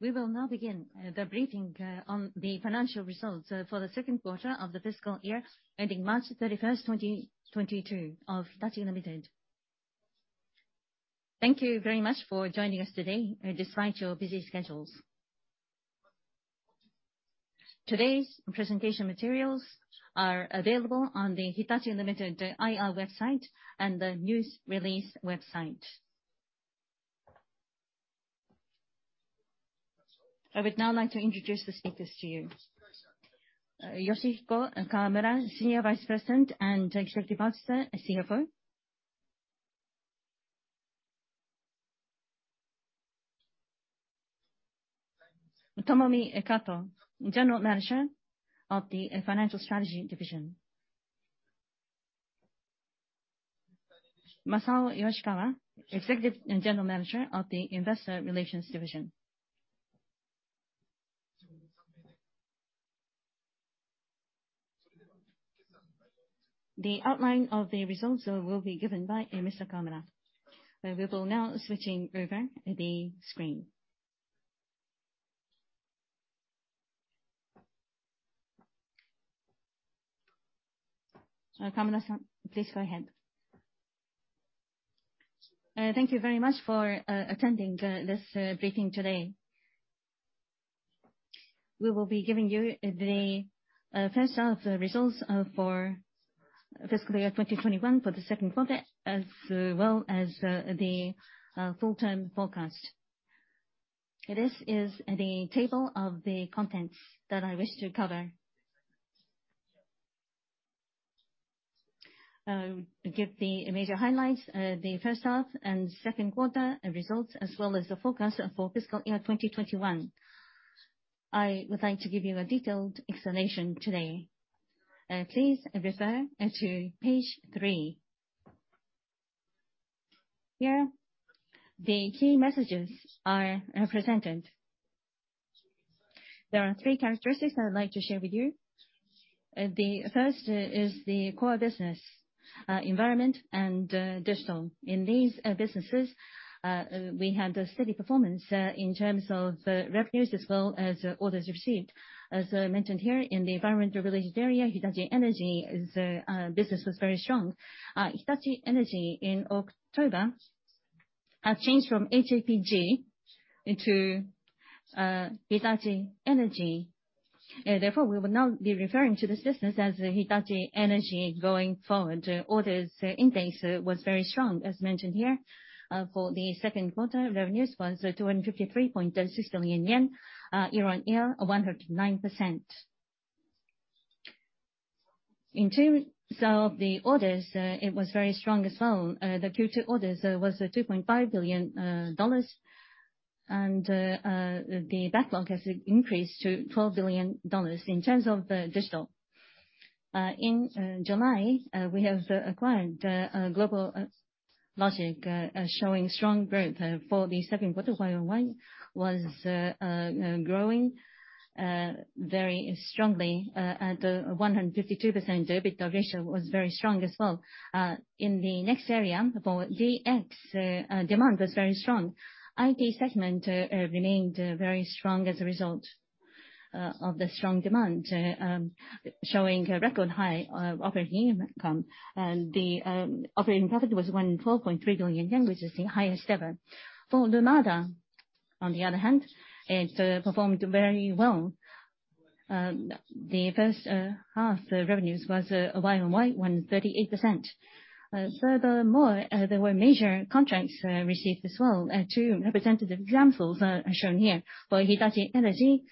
We will now begin the briefing on the financial results for the second quarter of the fiscal year ending March 31st, 2022 of Hitachi, Ltd. Thank you very much for joining us today despite your busy schedules. Today's presentation materials are available on the Hitachi, Ltd. IR website and the news release website. I would now like to introduce the speakers to you. Yoshihiko Kawamura, Senior Vice President and Executive Officer, CFO. Tomomi Kato, General Manager of the Financial Strategy Division. Masao Yoshikawa, Executive General Manager of the Investor Relations Division. The outline of the results will be given by Mr. Kawamura. We will now switch over the screen. Kawamura-san, please go ahead. Thank you very much for attending this briefing today. We will be giving you the first half results for fiscal year 2021 for the second quarter, as well as the full-term forecast. This is the table of contents that I wish to cover. Give the major highlights, the first half and second quarter results, as well as the forecast for fiscal year 2021. I would like to give you a detailed explanation today. Please refer to page three. Here, the key messages are presented. There are three characteristics I would like to share with you. The first is the core business, environment and digital. In these businesses, we had a steady performance in terms of revenues as well as orders received. As I mentioned here, in the environment-related area, Hitachi Energy business was very strong. Hitachi Energy in October has changed from HAPG into Hitachi Energy. Therefore, we will now be referring to this business as Hitachi Energy going forward. Orders intake was very strong, as mentioned here. For the second quarter, revenues was 253.6 billion yen, year-on-year or 109%. In terms of the orders, it was very strong as well. The Q2 orders was $2.5 billion, and the backlog has increased to $12 billion. In terms of the digital, in July, we have acquired GlobalLogic, showing strong growth for the second quarter YoY, was growing very strongly at 152%. EBITDA ratio was very strong as well. In the next area for DX, demand was very strong. IT segment remained very strong as a result of the strong demand, showing a record high operating income. The operating profit was 112.3 billion yen, which is the highest ever. For Lumada on the other hand, it performed very well. The first half the revenues was YoY 138%. Furthermore, there were major contracts received as well. Two representative examples are shown here. For Hitachi Energy,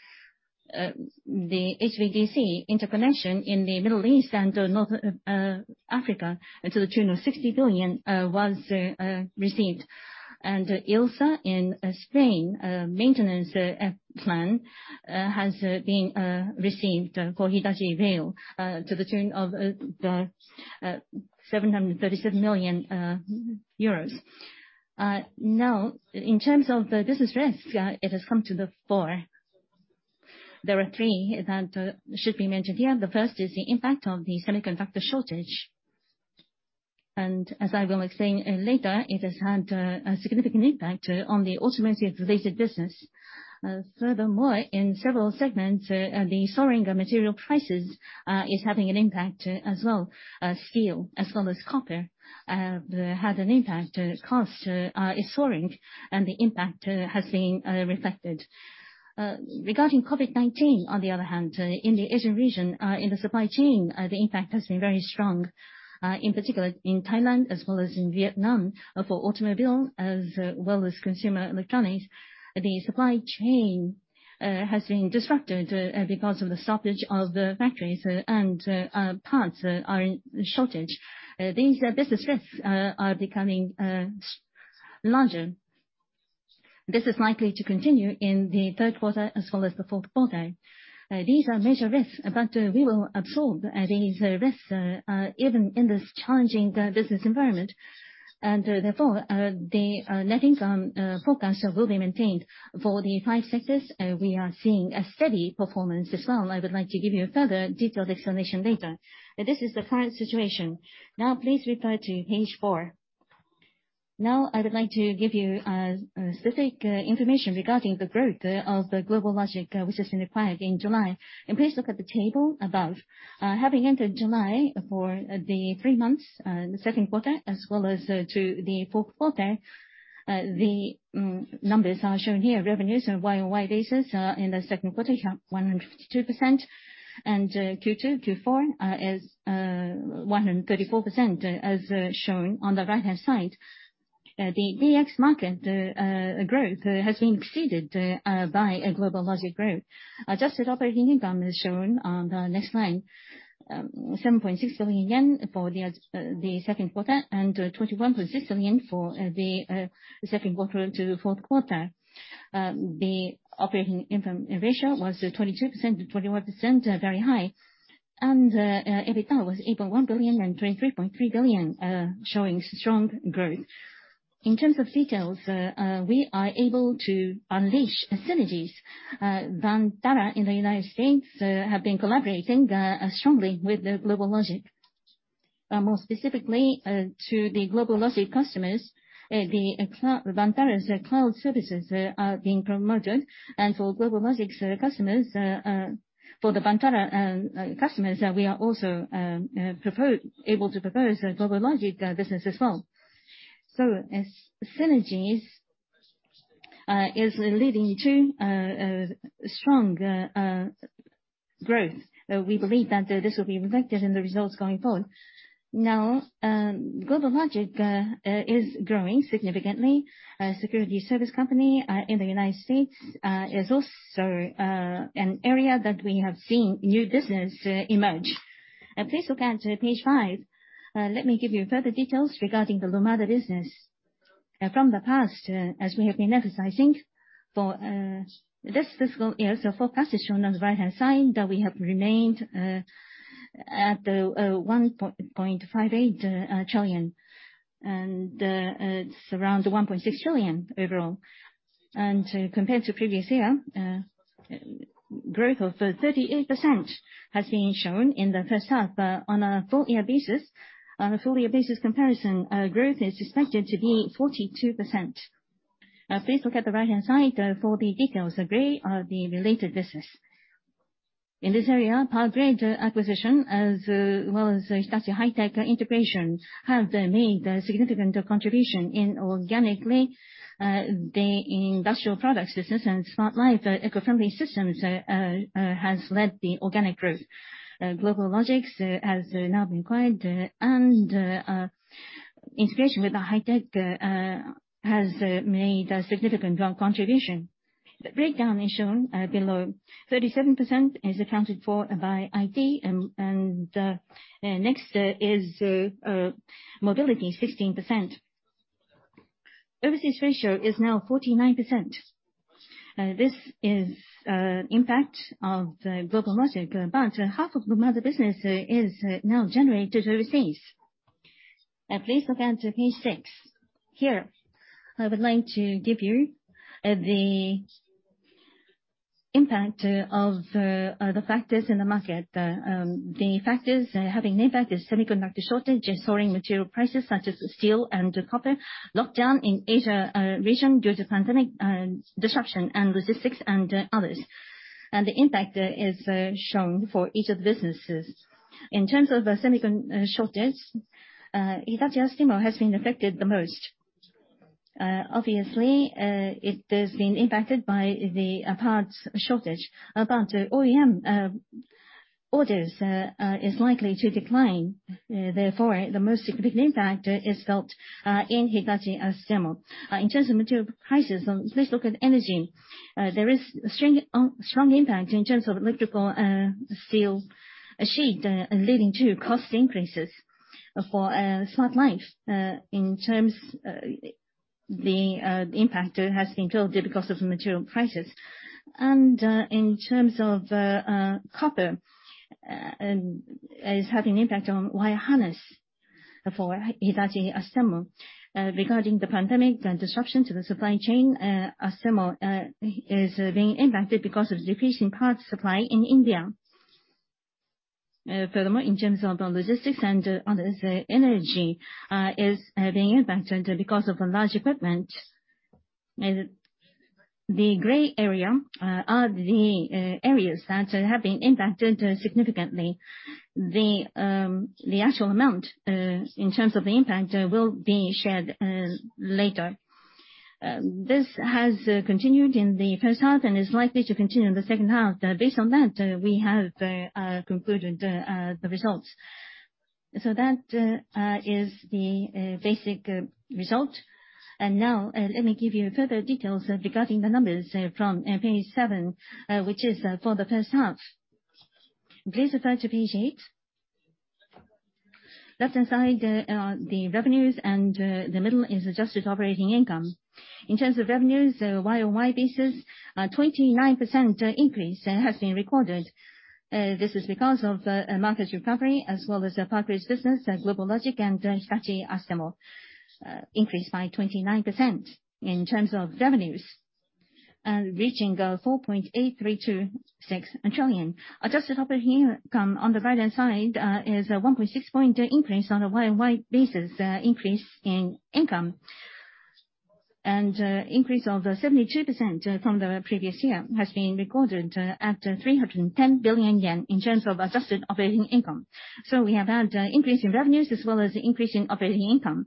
the HVDC interconnection in the Middle East and North Africa to the tune of 60 billion was received. ILSA in Spain maintenance plan has been received for Hitachi Rail to the tune of 736 million euros. Now, in terms of the business risk, it has come to the fore. There are three that should be mentioned here. The first is the impact of the semiconductor shortage. As I will explain later, it has had a significant impact on the automotive-related business. Furthermore, in several segments, the soaring material prices is having an impact as well. Steel as well as copper have had an impact. Cost is soaring, and the impact has been reflected. Regarding COVID-19, on the other hand, in the Asian region, in the supply chain, the impact has been very strong. In particular, in Thailand as well as in Vietnam, for automobile as well as consumer electronics, the supply chain has been disrupted because of the stoppage of the factories and parts are in shortage. These business risks are becoming larger. This is likely to continue in the third quarter as well as the fourth quarter. These are major risks, but we will absorb these risks even in this challenging business environment. Therefore, the net income forecast will be maintained. For the five sectors, we are seeing a steady performance as well. I would like to give you a further detailed explanation later. This is the current situation. Now please refer to page four. I would like to give you specific information regarding the growth of GlobalLogic, which has been acquired in July. Please look at the table above. Having entered July for the three months the second quarter, as well as to the fourth quarter, the numbers are shown here. Revenues on YoY basis in the second quarter show 152%, and Q2 to Q4 is 134%, as shown on the right-hand side. The DX market growth has been exceeded by GlobalLogic growth. Adjusted operating income is shown on the next line, 7.6 billion yen for the second quarter, and 21.6 billion for the second quarter to the fourth quarter. The operating income ratio was 22%-21%, very high. EBITDA was 8.1 billion and 23.3 billion, showing strong growth. In terms of details, we are able to unleash synergies. Vantara in the United States have been collaborating strongly with GlobalLogic. More specifically, to the GlobalLogic customers, Vantara's cloud services are being promoted, and for GlobalLogic's customers, for the Vantara customers, we are also able to propose GlobalLogic business as well. As synergies is leading to strong growth, we believe that this will be reflected in the results going forward. Now, GlobalLogic is growing significantly. Security service company in the United States is also an area that we have seen new business emerge. Please look at page five. Let me give you further details regarding the Lumada business. From the past, as we have been emphasizing for this fiscal year, forecast is shown on the right-hand side, that we have remained at 1.58 trillion. It's around 1.6 trillion overall. Compared to previous year, growth of 38% has been shown in the first half. On a full-year basis comparison, growth is expected to be 42%. Please look at the right-hand side for the details. Gray are the related business. In this area, power grid acquisition, as well as Hitachi High-Tech integration, have made a significant contribution inorganically. The industrial products business and Smart Life & Ecofriendly Systems has led the organic growth. GlobalLogic has now been acquired, and integration with the High-Tech has made a significant strong contribution. The breakdown is shown below. 37% is accounted for by IT, and next is mobility is 16%. Overseas ratio is now 49%. This is impact of the GlobalLogic, but half of Lumada business is now generated overseas. Please look at page six. Here, I would like to give you the impact of the factors in the market. The factors having impact is semiconductor shortage and soaring material prices such as steel and copper, lockdown in Asia region due to pandemic, disruption and logistics and others. The impact is shown for each of the businesses. In terms of the semicon shortage, Hitachi Astemo has been affected the most. Obviously, it has been impacted by the parts shortage. About OEM orders is likely to decline. Therefore, the most significant impact is felt in Hitachi Astemo. In terms of material prices, please look at Energy. There is a strong impact in terms of electrical steel sheet leading to cost increases for Smart Life. In terms of the impact has been felt because of material prices. In terms of copper is having an impact on wire harness for Hitachi Astemo. Regarding the pandemic and disruption to the supply chain, Astemo is being impacted because of decrease in parts supply in India. Furthermore, in terms of the logistics and others, energy is being impacted because of the large equipment. The gray area are the areas that have been impacted significantly. The actual amount in terms of the impact will be shared later. This has continued in the first half and is likely to continue in the second half. Based on that, we have concluded the results. That is the basic result. Now let me give you further details regarding the numbers from page seven, which is for the first half. Please refer to page eight. Left-hand side are the revenues, and the middle is adjusted operating income. In terms of revenues, YoY basis, a 29% increase has been recorded. This is because of a market recovery as well as power grid business and GlobalLogic, and Hitachi Astemo increased by 29% in terms of revenues, reaching JPY 4.8326 trillion. Adjusted operating income on the right-hand side is a 1.6 point increase on a YoY basis, increase of 72% from the previous year has been recorded at 310 billion yen in terms of adjusted operating income. We have had increase in revenues as well as increase in operating income.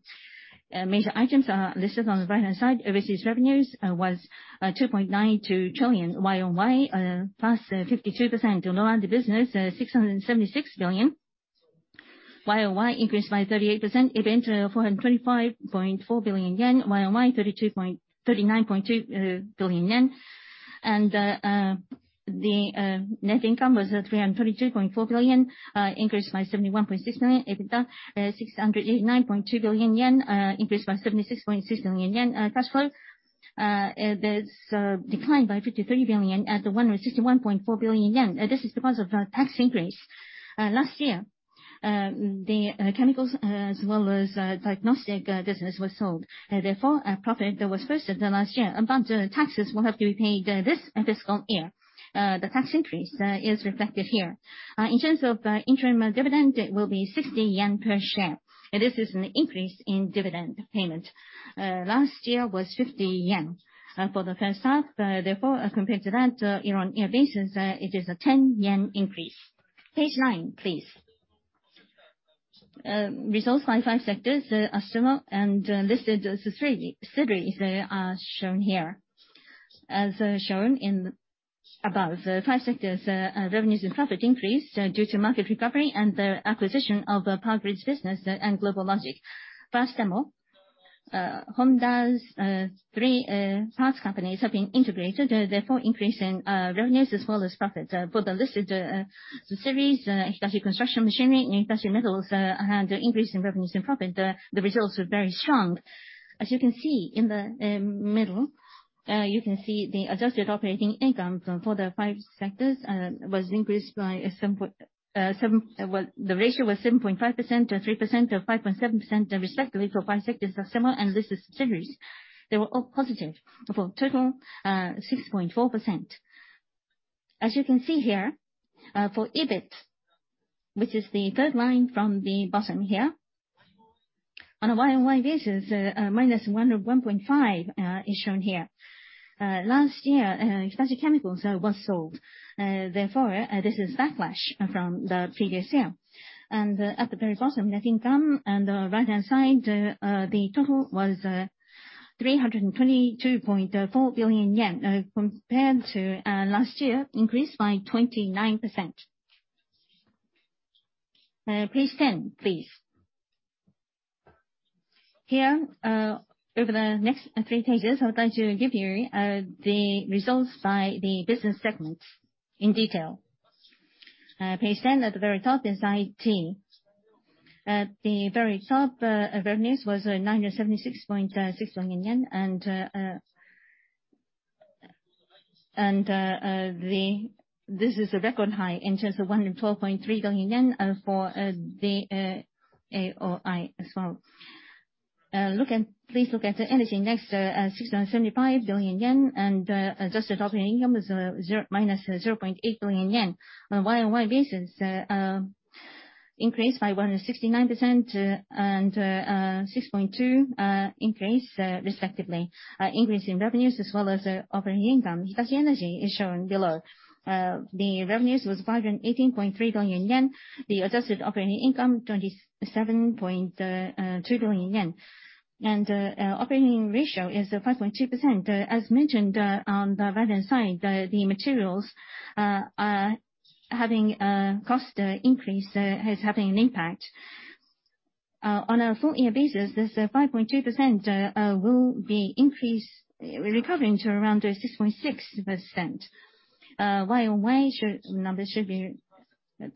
Major items are listed on the right-hand side. Overseas revenues was 2.92 trillion YoY, +52%. Lumada business 676 billion, YoY increased by 38%. EBIT 425.4 billion yen YoY, 39.2 billion yen. Net income was 322.4 billion, increased by 71.6%. EBITDA 689.2 billion yen increased by 76.6 billion yen. Cash flow, there is a decline by 53 billion at 161.4 billion yen. This is because of a tax increase. Last year, the chemicals as well as diagnostic business was sold, therefore a profit that was posted last year. Taxes will have to be paid this fiscal year. The tax increase is reflected here. In terms of interim dividend, it will be 60 yen per share. This is an increase in dividend payment. Last year was 50 yen for the first half, therefore, compared to that, year-on-year basis, it is a 10 yen increase. Page nine, please. Results by five sectors, Astemo, and listed as three subsidiaries, are shown here. As shown above, the five sectors revenues and profit increased due to market recovery and the acquisition of the power grids business and GlobalLogic. First, though, Honda's three parts companies have been integrated, therefore increasing revenues as well as profit. For the listed subsidiaries, Hitachi Construction Machinery and Hitachi Metals had increase in revenues and profit. The results are very strong. As you can see in the middle, you can see the adjusted operating income for the five sectors was increased by, well, the ratio was 7.5%, 3%, 5.7% respectively for five sectors, Astemo, and this is subsidiaries. They were all positive for total 6.4%. As you can see here, for EBIT, which is the third line from the bottom here, on a YoY basis, -101.5 billion is shown here. Last year, Hitachi Chemicals was sold, therefore, this is backlash from the previous year. At the very bottom, net income and the right-hand side, the total was 322.4 billion yen, compared to last year, increased by 29%. Page ten, please. Here, over the next three pages, I would like to give you the results by the business segments in detail. Page ten at the very top is IT. At the very top, revenues was 976.6 billion yen and this is a record high in terms of 112.3 billion yen for the AOI as well. Please look at Energy next, 675 billion yen and adjusted operating income was -0.8 billion yen. On YoY basis, increased by 169% and 6.2 billion increase, respectively. Increase in revenues as well as operating income. Hitachi Energy is shown below. The revenues was 518.3 billion yen. The adjusted operating income, 27.2 billion yen. Operating ratio is 5.2%. As mentioned, on the right-hand side, the materials cost increase is having an impact. On a full-year basis, this 5.2% will be increased, recovering to around 6.6%. YoY numbers should be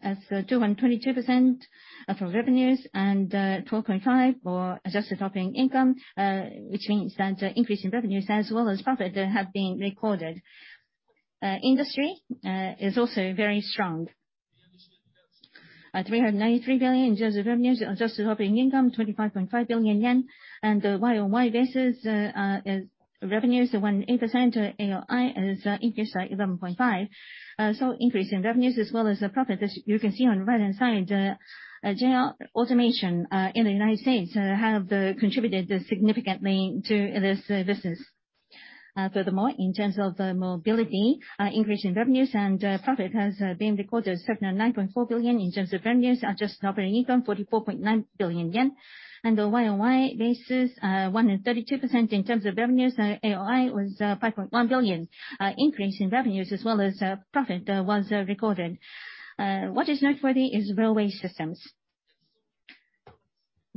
222% for revenues and 12.5 billion for adjusted operating income, which means that increase in revenues as well as profit have been recorded. Industry is also very strong. 393 billion in terms of revenues, adjusted operating income 25.5 billion yen. YoY basis, revenues 108%, AOI is increased by 11.5 billion. So increase in revenues as well as profit. As you can see on right-hand side, JR Automation in the United States have contributed significantly to this business. Furthermore, in terms of mobility, increase in revenues and profit has been recorded. 709.4 billion in terms of revenues, adjusted operating income 44.9 billion yen. The YoY basis, 132% in terms of revenues, and AOI was 5.1 billion. Increase in revenues as well as profit was recorded. What is noteworthy is Railway Systems.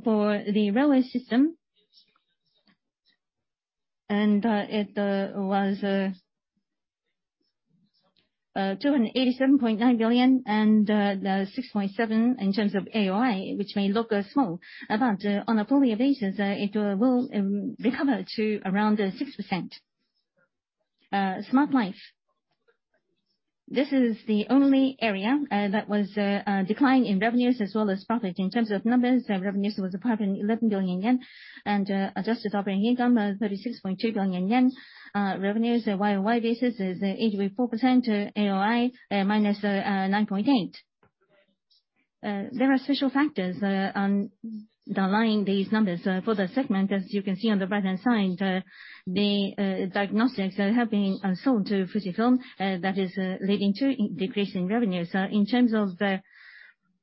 For the Railway System, it was 287.9 billion and 6.7 billion in terms of AOI, which may look small, but on a full-year basis, it will recover to around 6%. Smart Life. This is the only area that was a decline in revenues as well as profit. In terms of numbers, the revenues was 511 billion yen, and adjusted operating income 36.2 billion yen. Revenues YoY basis is 84%, AOI -9.8 billion. There are special factors underlying these numbers for the segment. As you can see on the right-hand side, the diagnostics have been sold to Fujifilm, that is leading to a decrease in revenue. In terms of the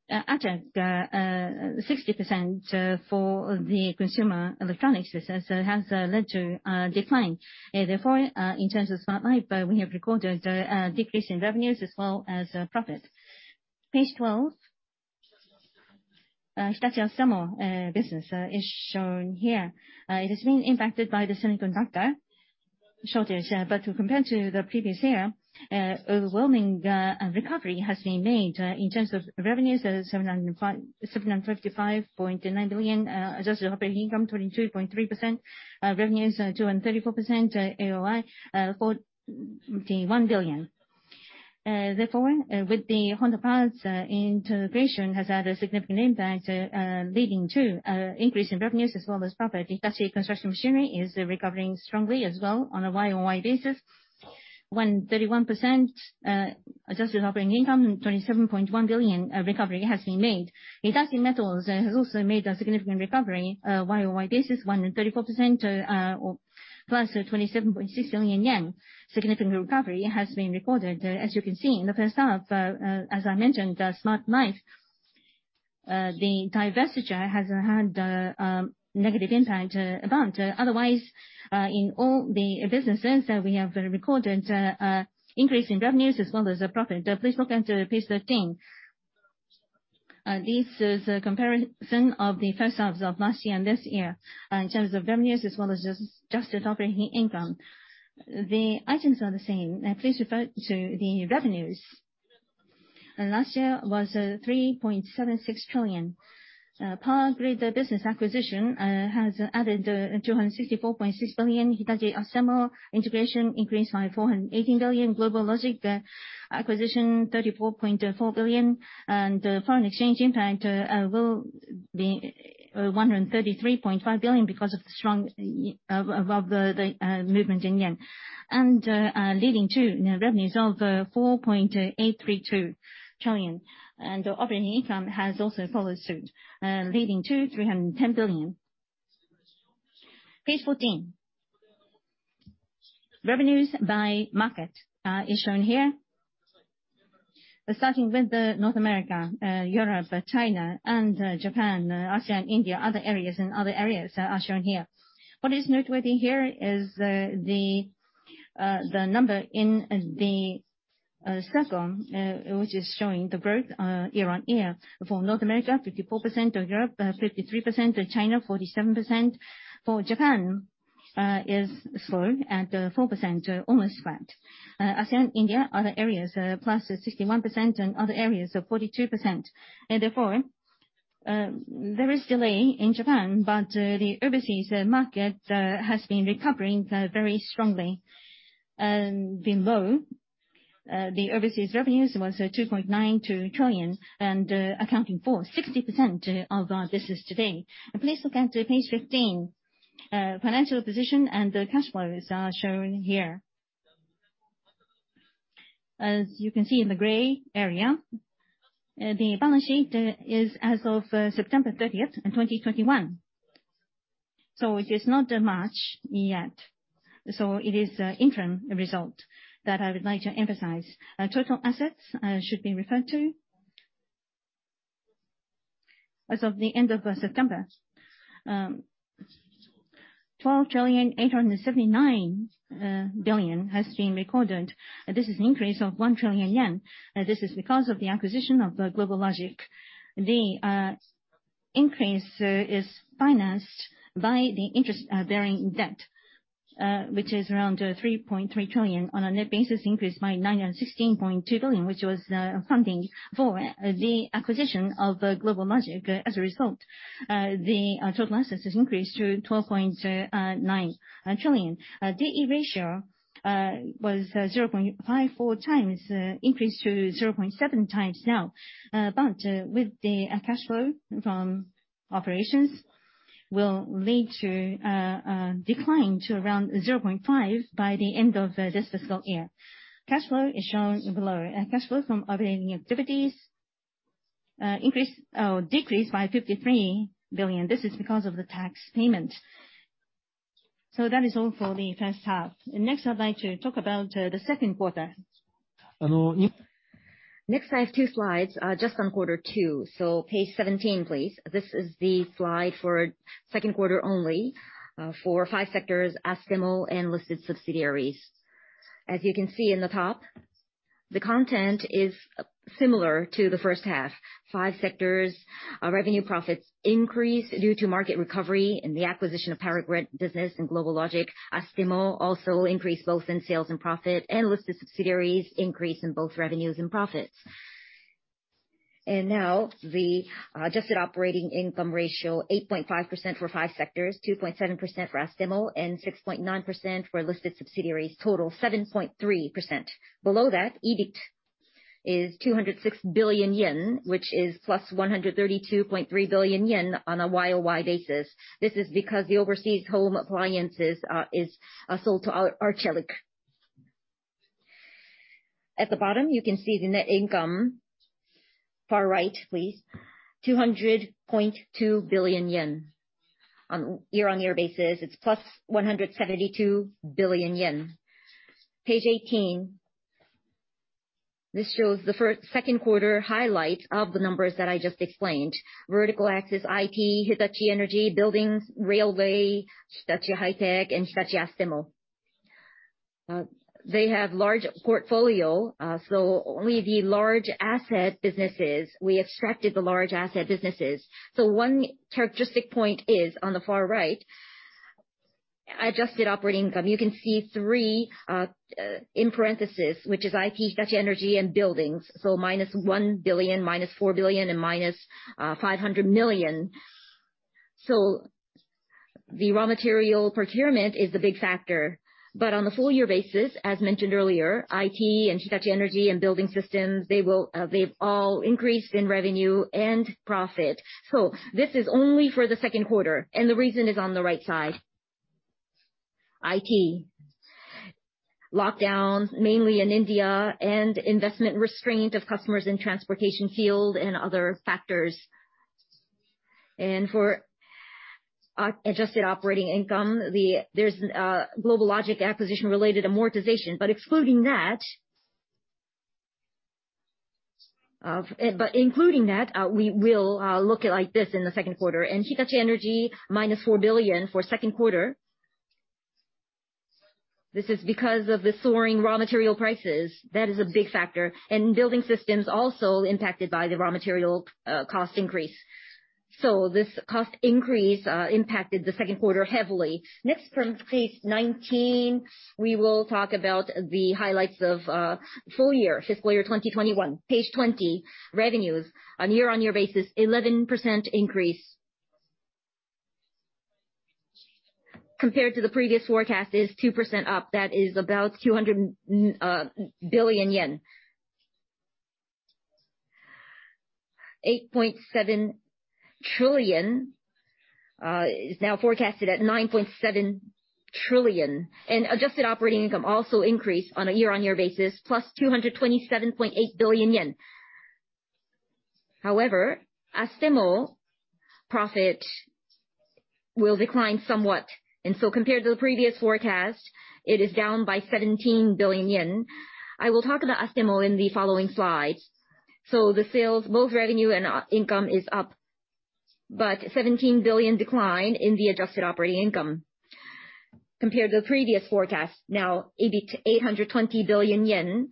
High-Tech 60% for the consumer electronics business, it has led to a decline. Therefore in terms of Smart Life, we have recorded a decrease in revenues as well as profit. Page 12. Hitachi Astemo business is shown here. It has been impacted by the semiconductor shortage. To compare to the previous year, overwhelming recovery has been made. In terms of revenues, 755.9 billion, adjusted operating income 22.3%, revenues 234%, AOI 41 billion. Therefore, with the Honda parts integration has had a significant impact, leading to increase in revenues as well as profit. Hitachi Construction Machinery is recovering strongly as well on a YoY basis. 131%, adjusted operating income 27.1 billion, recovery has been made. Hitachi Metals has also made a significant recovery, YoY basis, 134% or +27.6 billion yen. Significant recovery has been recorded, as you can see. In the first half, as I mentioned, Smart Life, the divestiture has had negative impact about. Otherwise, in all the businesses, we have recorded increase in revenues as well as profit. Please look at page 13. This is a comparison of the first halves of last year and this year, in terms of revenues as well as adjusted operating income. The items are the same. Please refer to the revenues. Last year was 3.76 trillion. Power grid business acquisition has added 264.6 billion. Hitachi Astemo integration increased by 418 billion. GlobalLogic acquisition 34.4 billion. Foreign exchange impact will be 133.5 billion because of the strong yen above the movement in yen. Leading to net revenues of 4.832 trillion. Operating income has also followed suit, leading to 310 billion. Page 14. Revenues by market is shown here. Starting with North America, Europe, China, and Japan, Asia and India, other areas, and other areas are shown here. What is noteworthy here is the number in the second, which is showing the growth year-on-year. For North America, 54%, Europe, 53%, China 47%. For Japan is slow at 4%, almost flat. Asia and India, other areas, +61% and other areas, 42%. Therefore, there is delay in Japan, but the overseas market has been recovering very strongly. Below, the overseas revenues was 2.92 trillion, accounting for 60% of our business today. Please look onto page 15. Financial position and the cash flows are shown here. As you can see in the gray area, the balance sheet is as of September 30th, 2021. It is not much yet. It is interim result that I would like to emphasize. Total assets should be referred to. As of the end of September, 12.879 trillion has been recorded. This is an increase of 1 trillion yen. This is because of the acquisition of GlobalLogic. The increase is financed by the interest bearing debt, which is around 3.3 trillion on a net basis, increased by 916.2 billion, which was funding for the acquisition of GlobalLogic. As a result, the total assets has increased to 12.9 trillion. D/E ratio was 0.54x, increased to 0.7x now. With the cash flow from operations will lead to decline to around 0.5 by the end of this fiscal year. Cash flow is shown below. Cash flow from operating activities decreased by 53 billion. This is because of the tax payment. That is all for the first half. Next, I'd like to talk about the second quarter. Next, I have two slides just on quarter two. Page 17, please. This is the slide for second quarter only for five sectors, Astemo and listed subsidiaries. As you can see in the top, the content is similar to the first half. Five sectors revenue profits increased due to market recovery and the acquisition of power grid business and GlobalLogic. Astemo also increased both in sales and profit, and listed subsidiaries increased in both revenues and profits. Now the adjusted operating income ratio 8.5% for five sectors, 2.7% for Astemo, and 6.9% for listed subsidiaries, total 7.3%. Below that, EBIT is 206 billion yen, which is +132.3 billion yen on a YoY basis. This is because the overseas home appliances is sold to Arçelik. At the bottom, you can see the net income, far right, please, 200.2 billion yen. On year-on-year basis, it's +172 billion yen. Page 18, this shows the second quarter highlights of the numbers that I just explained. Vertical axis, IT, Hitachi Energy, Buildings, Railway, Hitachi High-Tech, and Hitachi Astemo. They have large portfolio, so only the large asset businesses, we extracted the large asset businesses. One characteristic point is, on the far right, adjusted operating income. You can see 3 in parenthesis, which is IT, Hitachi Energy, and Buildings, so -1 billion, -4 billion, and-JPY 500 million. The raw material procurement is the big factor. On the full-year basis, as mentioned earlier, IT and Hitachi Energy and Building Systems, they've all increased in revenue and profit. This is only for the second quarter, and the reason is on the right side. IT, lockdowns, mainly in India, and investment restraint of customers in transportation field and other factors. For adjusted operating income, there's GlobalLogic acquisition-related amortization. Excluding that, but including that, we will look at like this in the second quarter. Hitachi Energy, -4 billion for second quarter. This is because of the soaring raw material prices. That is a big factor. Building Systems also impacted by the raw material cost increase. This cost increase impacted the second quarter heavily. Next, page 19, we will talk about the highlights of full-year, fiscal year 2021. Page 20, revenues on year-on-year basis, 11% increase. Compared to the previous forecast is 2% up. That is about 200 billion yen. 8.7 trillion is now forecasted at 9.7 trillion. Adjusted operating income also increased on a year-on-year basis, +227.8 billion yen. However, Astemo profit will decline somewhat, and compared to the previous forecast, it is down by 17 billion yen. I will talk about Astemo in the following slides. The sales, both revenue and income is up, but 17 billion decline in the adjusted operating income. Compared to the previous forecast, now 820 billion yen,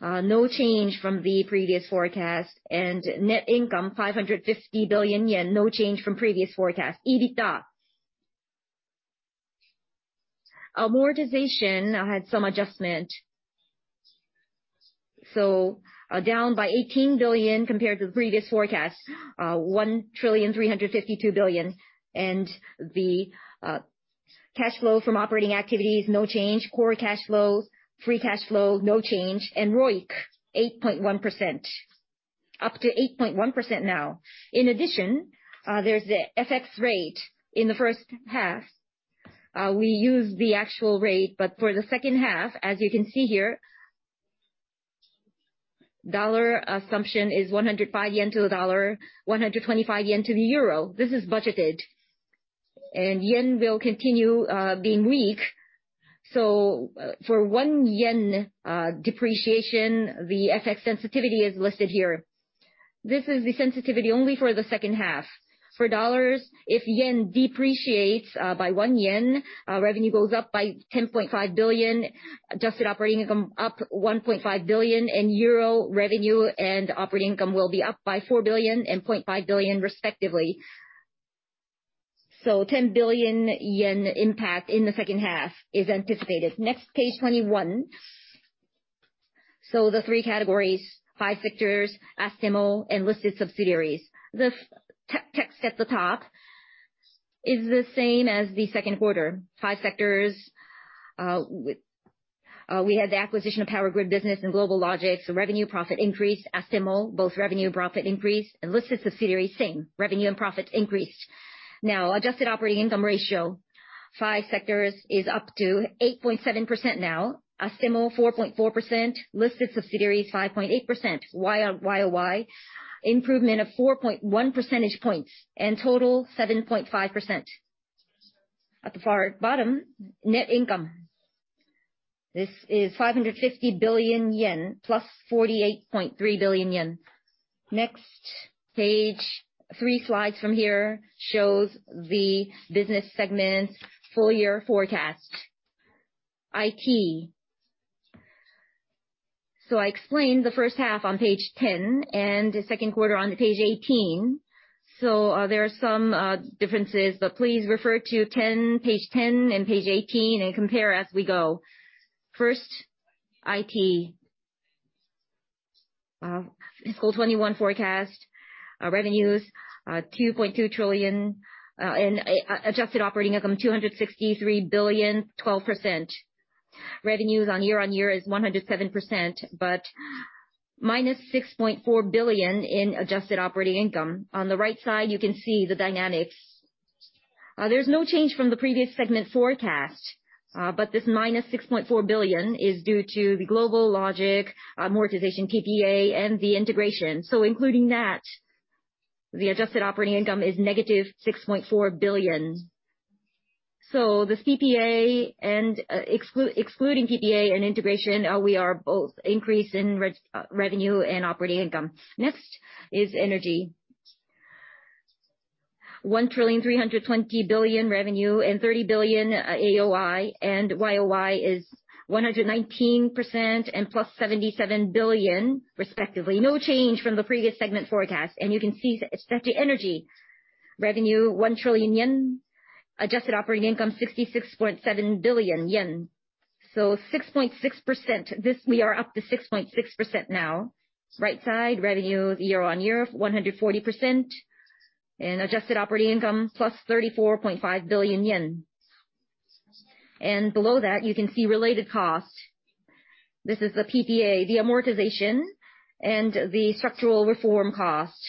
no change from the previous forecast. Net income, 550 billion yen, no change from previous forecast. EBITDA. Amortization, I had some adjustment, so, down by 18 billion compared to the previous forecast, 1.352 trillion. The cash flow from operating activities, no change. Core cash flow, free cash flow, no change. ROIC, 8.1%, up to 8.1% now. In addition, there's the FX rate in the first half. We used the actual rate, but for the second half, as you can see here, dollar assumption is 105 yen to the dollar, 125 yen to the euro. This is budgeted. Yen will continue being weak. For 1 yen depreciation, the FX sensitivity is listed here. This is the sensitivity only for the second half. For dollars, if yen depreciates by one yen, revenue goes up by 10.5 billion, adjusted operating income up 1.5 billion, and euro revenue and operating income will be up by 4 billion and 0.5 billion respectively. 10 billion yen impact in the second half is anticipated. Next, page 21. The three categories, five sectors, Astemo, and listed subsidiaries. The text at the top is the same as the second quarter. Five sectors with the acquisition of power grid business and GlobalLogic, so revenue profit increased. Astemo, both revenue and profit increased. Listed subsidiaries, same, revenue and profit increased. Now, adjusted operating income ratio, five sectors is up to 8.7% now, Astemo 4.4%, listed subsidiaries 5.8% YoY, improvement of 4.1 percentage points, and total 7.5%. At the far bottom, net income. This is 550 billion yen, +48.3 billion yen. Next page, three slides from here, shows the business segment's full-year forecast. IT. I explained the first half on page 10 and the second quarter on page 18, so there are some differences, but please refer to 10, page 10 and page 18 and compare as we go. First, IT. Fiscal 2021 forecast, our revenues are 2.2 trillion and adjusted operating income 263 billion, 12%. Revenues year-on-year is 107%, but -6.4 billion in adjusted operating income. On the right side, you can see the dynamics. There's no change from the previous segment forecast, but this -6.4 billion is due to the GlobalLogic amortization PPA and the integration. Including that, the adjusted operating income is -6.4 billion. Core and excluding PPA and integration, we have both increases in revenue and operating income. Next is Energy. 1.32 trillion revenue and 30 billion AOI and YoY is 119% and +77 billion respectively. No change from the previous segment forecast. You can see that Hitachi Energy revenue 1 trillion yen. Adjusted operating income 66.7 billion yen. So 6.6%. This, we are up to 6.6% now. Right side, revenues year-on-year 100% and adjusted operating income +34.5 billion yen. Below that, you can see related costs. This is the PPA, the amortization, and the structural reform cost.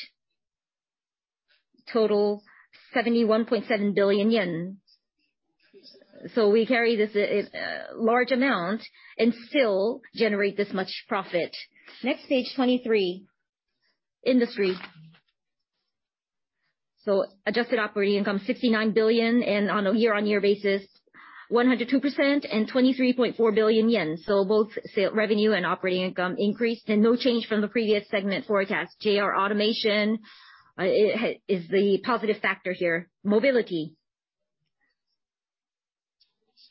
Total 71.7 billion yen. So we carry this large amount and still generate this much profit. Next page, 23. Industry. So adjusted operating income 69 billion and on a year-on-year basis 102% and 23.4 billion yen. So both revenue and operating income increased. No change from the previous segment forecast. JR Automation is the positive factor here. Mobility.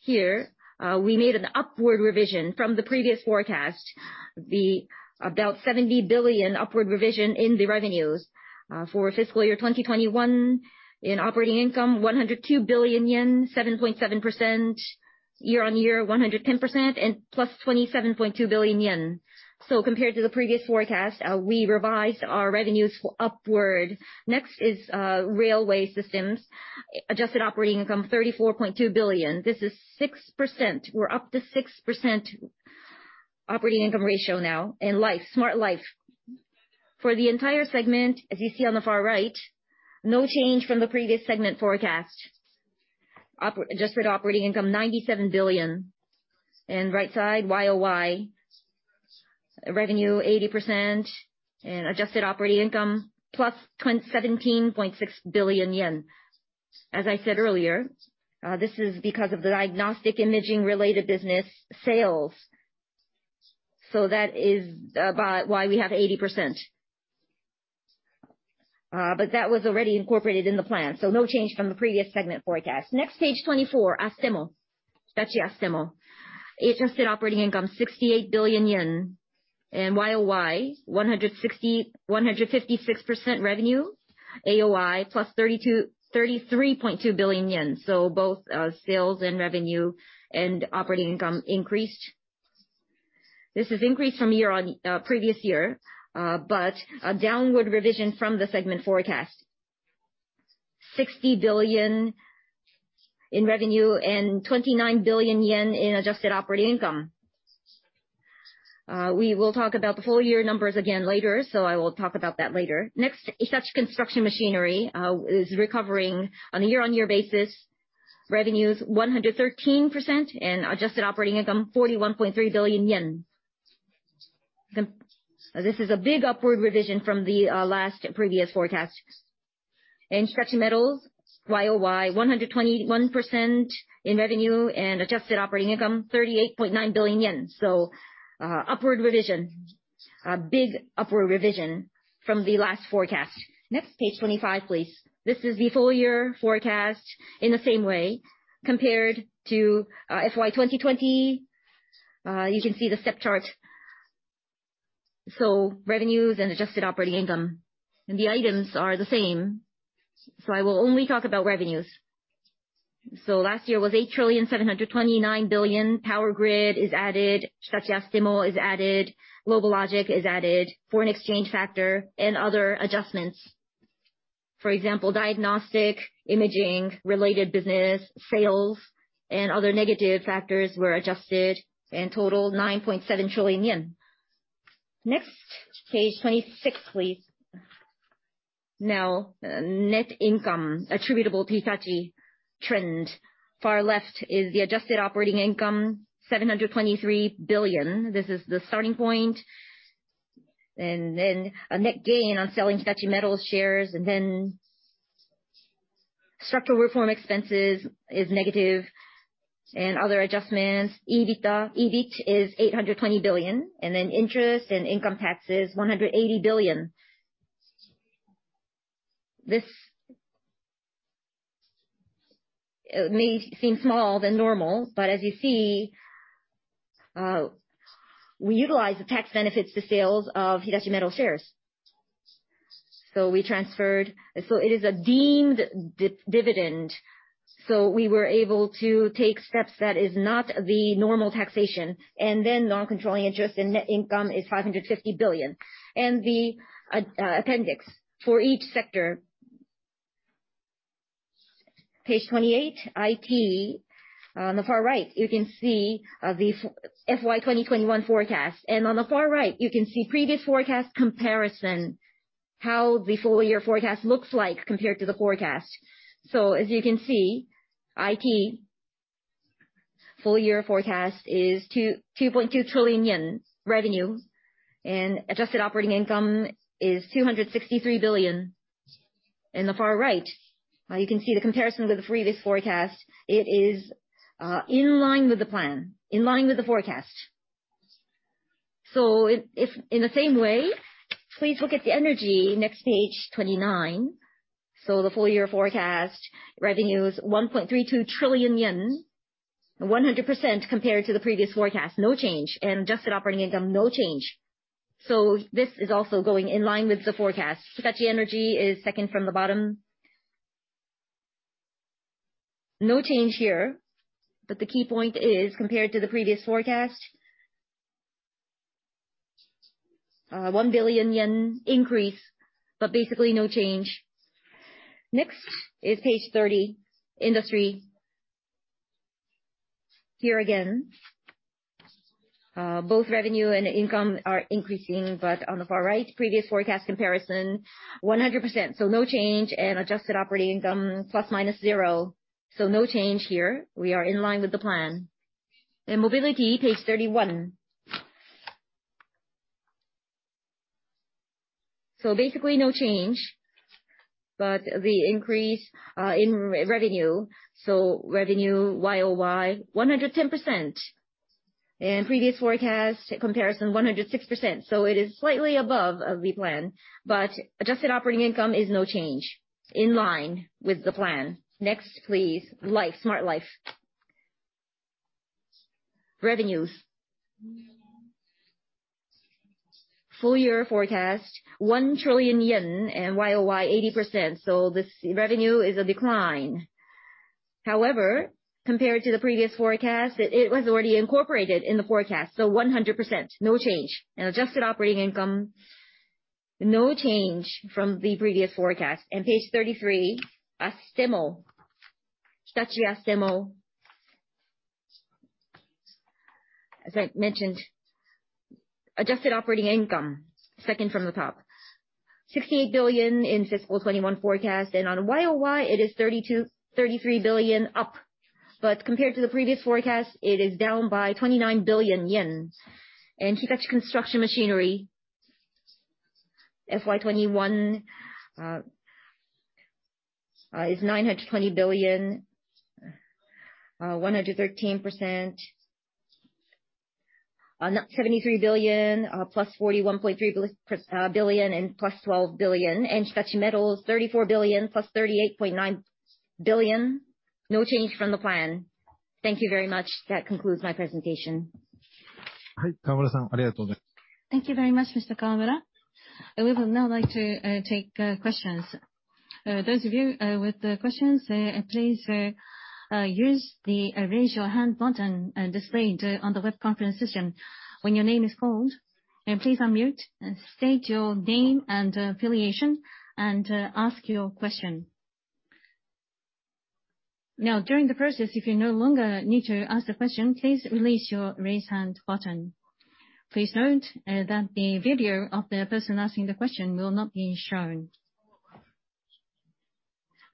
Here, we made an upward revision from the previous forecast, an about 70 billion upward revision in the revenues for fiscal year 2021. In operating income, 102 billion yen, 7.7%. Year-on-year, 110% and +27.2 billion yen. Compared to the previous forecast, we revised our revenues upward. Next is Railway Systems. Adjusted operating income 34.2 billion. This is 6%. We're up to 6% operating income ratio now. Smart Life. For the entire segment, as you see on the far right, no change from the previous segment forecast. Adjusted operating income 97 billion. And right side, YoY, revenue 80% and adjusted operating income +27.6 billion yen. As I said earlier, this is because of the diagnostic imaging related business sales. That is about why we have 80%. But that was already incorporated in the plan, so no change from the previous segment forecast. Next page, 24. Hitachi Astemo. Adjusted operating income 68 billion yen. YoY 156% revenue. AOI +33.2 billion yen. Both sales and revenue and operating income increased. This increased from the previous year, but a downward revision from the segment forecast. 60 billion in revenue and 29 billion yen in adjusted operating income. We will talk about the full-year numbers again later, so I will talk about that later. Next, Hitachi Construction Machinery is recovering. On a year-on-year basis, revenue's 113% and adjusted operating income 41.3 billion yen. This is a big upward revision from the last previous forecast. Hitachi Metals, YoY 121% in revenue and adjusted operating income, 38.9 billion yen. Upward revision. A big upward revision from the last forecast. Next page 25, please. This is the full-year forecast in the same way, compared to FY 2020. You can see the step chart. Revenues and adjusted operating income. The items are the same, so I will only talk about revenues. Last year was 8.729 trillion. Power grid is added. Hitachi Astemo is added. GlobalLogic is added. Foreign exchange factor and other adjustments. For example, diagnostic imaging related business sales and other negative factors were adjusted and total 9.7 trillion yen. Next, page 26, please. Now, net income attributable to Hitachi trend. Far left is the adjusted operating income, 723 billion. This is the starting point. Net gain on selling Hitachi Metals shares and structural reform expenses is negative. Other adjustments, EBITDA, EBIT is 820 billion. Interest and income taxes, 180 billion. This may seem smaller than normal, but as you see, we utilized the tax benefits to sales of Hitachi Metals shares. It is a deemed dividend, so we were able to take steps that is not the normal taxation. Non-controlling interest and net income is 550 billion. The appendix for each sector. Page 28, IT. On the far right, you can see the FY 2021 forecast. On the far right, you can see previous forecast comparison, how the full-year forecast looks like compared to the forecast. As you can see, IT full-year forecast is 2.2 trillion yen revenue, and adjusted operating income is 263 billion. In the far right, you can see the comparison to the previous forecast. It is in line with the plan, in line with the forecast. If in the same way, please look at the Energy, next page, 29. The full-year forecast revenue is 1.32 trillion yen. 100% compared to the previous forecast, no change. Adjusted operating income, no change. This is also going in line with the forecast. Hitachi Energy is second from the bottom. No change here, but the key point is, compared to the previous forecast, 1 billion yen increase, but basically no change. Next is page 30, industry. Here again, both revenue and income are increasing, but on the far right, previous forecast comparison, 100%, so no change. Adjusted operating income, ±0, so no change here. We are in line with the plan. Mobility, page 31. Basically no change, but the increase in revenue. Revenue YoY 110%. Previous forecast comparison, 106%, so it is slightly above of the plan. Adjusted operating income is no change. In line with the plan. Next, please. Smart Life. Revenues full-year forecast, 1 trillion yen and YoY 80%, so this revenue is a decline. However, compared to the previous forecast, it was already incorporated in the forecast, so 100%, no change. Adjusted operating income, no change from the previous forecast. Page 33, Astemo, Hitachi Astemo. As I mentioned, adjusted operating income, second from the top, 68 billion in fiscal 2021 forecast. On YoY, it is 33 billion up. Compared to the previous forecast, it is down by 29 billion yen. Hitachi Construction Machinery, FY 2021, is JPY 920 billion, 113%. On that 73 billion, +41.3 billion, and +12 billion. Hitachi Metals, 34 billion, +38.9 billion. No change from the plan. Thank you very much. That concludes my presentation. Thank you very much, Mr. Kawamura. We will now like to take questions. Those of you with questions please use the raise your hand button displayed on the web conference system. When your name is called, please unmute and state your name and affiliation and ask your question. Now, during the process, if you no longer need to ask the question, please release your raise your hand button. Please note that the video of the person asking the question will not be shown.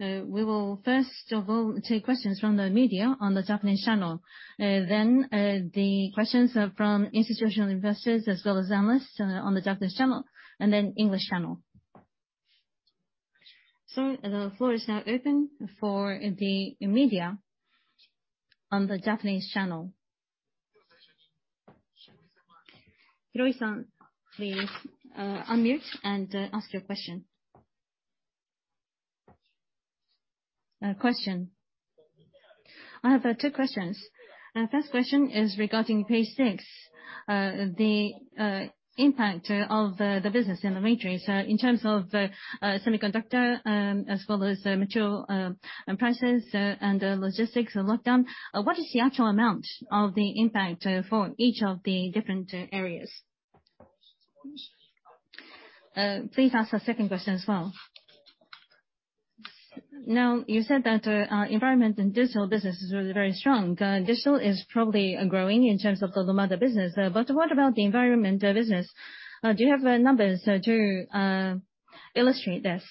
We will first of all take questions from the media on the Japanese channel. The questions from institutional investors, as well as analysts on the Japanese channel, and then English channel. The floor is now open for the media on the Japanese channel. Hiroi-san, please, unmute and ask your question. Question. I have two questions. First question is regarding page six, the impact of the business in the matrix. In terms of semiconductor as well as the material and prices and logistics and lockdown, what is the actual amount of the impact for each of the different areas? Please ask the second question as well. Now, you said that our environment and digital business is really very strong. Digital is probably growing in terms of the other business. But what about the environment business? Do you have numbers to illustrate this?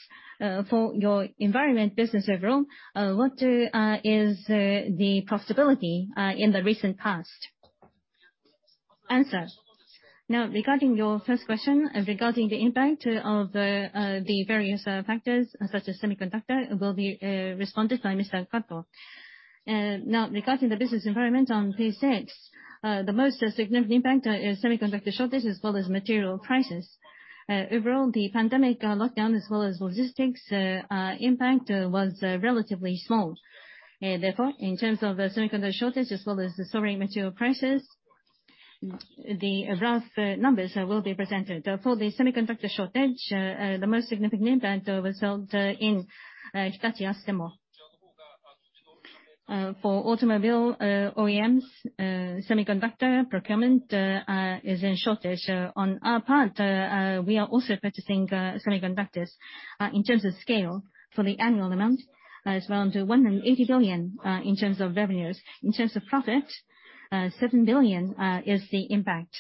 For your environment business overall, what is the profitability in the recent past? Now, regarding your first question regarding the impact of the various factors such as semiconductor will be responded by Mr. Kato. Now, regarding the business environment on page six, the most significant impact is semiconductor shortage as well as material prices. Overall, the pandemic lockdown as well as logistics impact was relatively small. Therefore, in terms of the semiconductor shortage as well as the soaring material prices. The rough numbers will be presented. For the semiconductor shortage, the most significant impact was felt in Hitachi Astemo. For automobile OEMs, semiconductor procurement is in shortage. On our part, we are also purchasing semiconductors, in terms of scale for the annual amount, as well into 180 billion in terms of revenues. In terms of profit, 7 billion is the impact.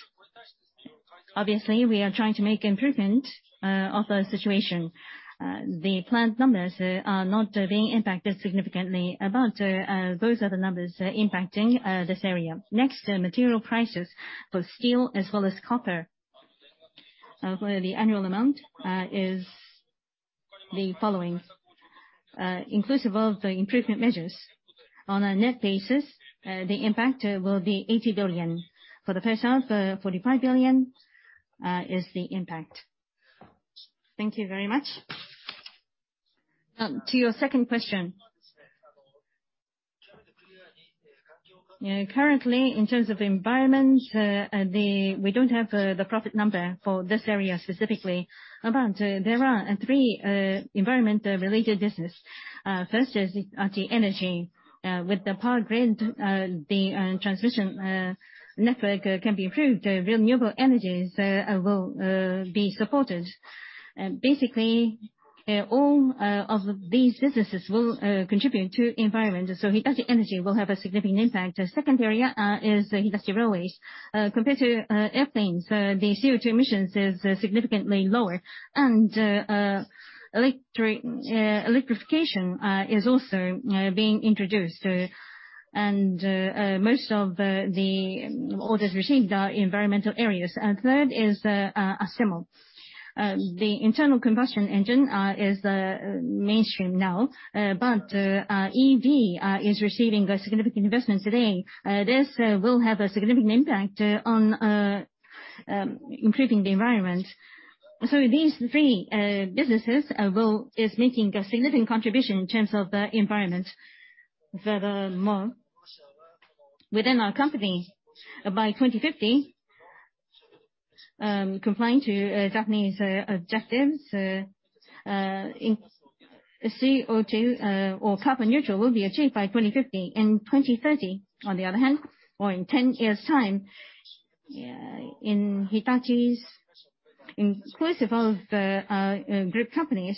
Obviously, we are trying to make improvement of the situation. The plant numbers are not being impacted significantly. Those are the numbers impacting this area. Next, material prices for steel as well as copper. For the annual amount is the following, inclusive of the improvement measures. On a net basis, the impact will be 80 billion. For the first half, 45 billion is the impact. Thank you very much. To your second question. Currently in terms of environment, we don't have the profit number for this area specifically. There are three environment-related business. First is Hitachi Energy. With the power grid, the transmission network can be improved, renewable energies will be supported. Basically, all of these businesses will contribute to environment, so Hitachi Energy will have a significant impact. The second area is Hitachi Railways. Compared to airplanes, the CO2 emissions is significantly lower and electrification is also being introduced. Most of the orders received are environmental areas. Third is Astemo. The internal combustion engine is mainstream now, but EV is receiving a significant investment today. This will have a significant impact on improving the environment. These three businesses is making a significant contribution in terms of the environment. Furthermore, within our company, by 2050, complying to Japanese objectives CO2 or carbon neutral will be achieved by 2050. In 2030, on the other hand, or in 10 years' time, in Hitachi's, inclusive of group companies,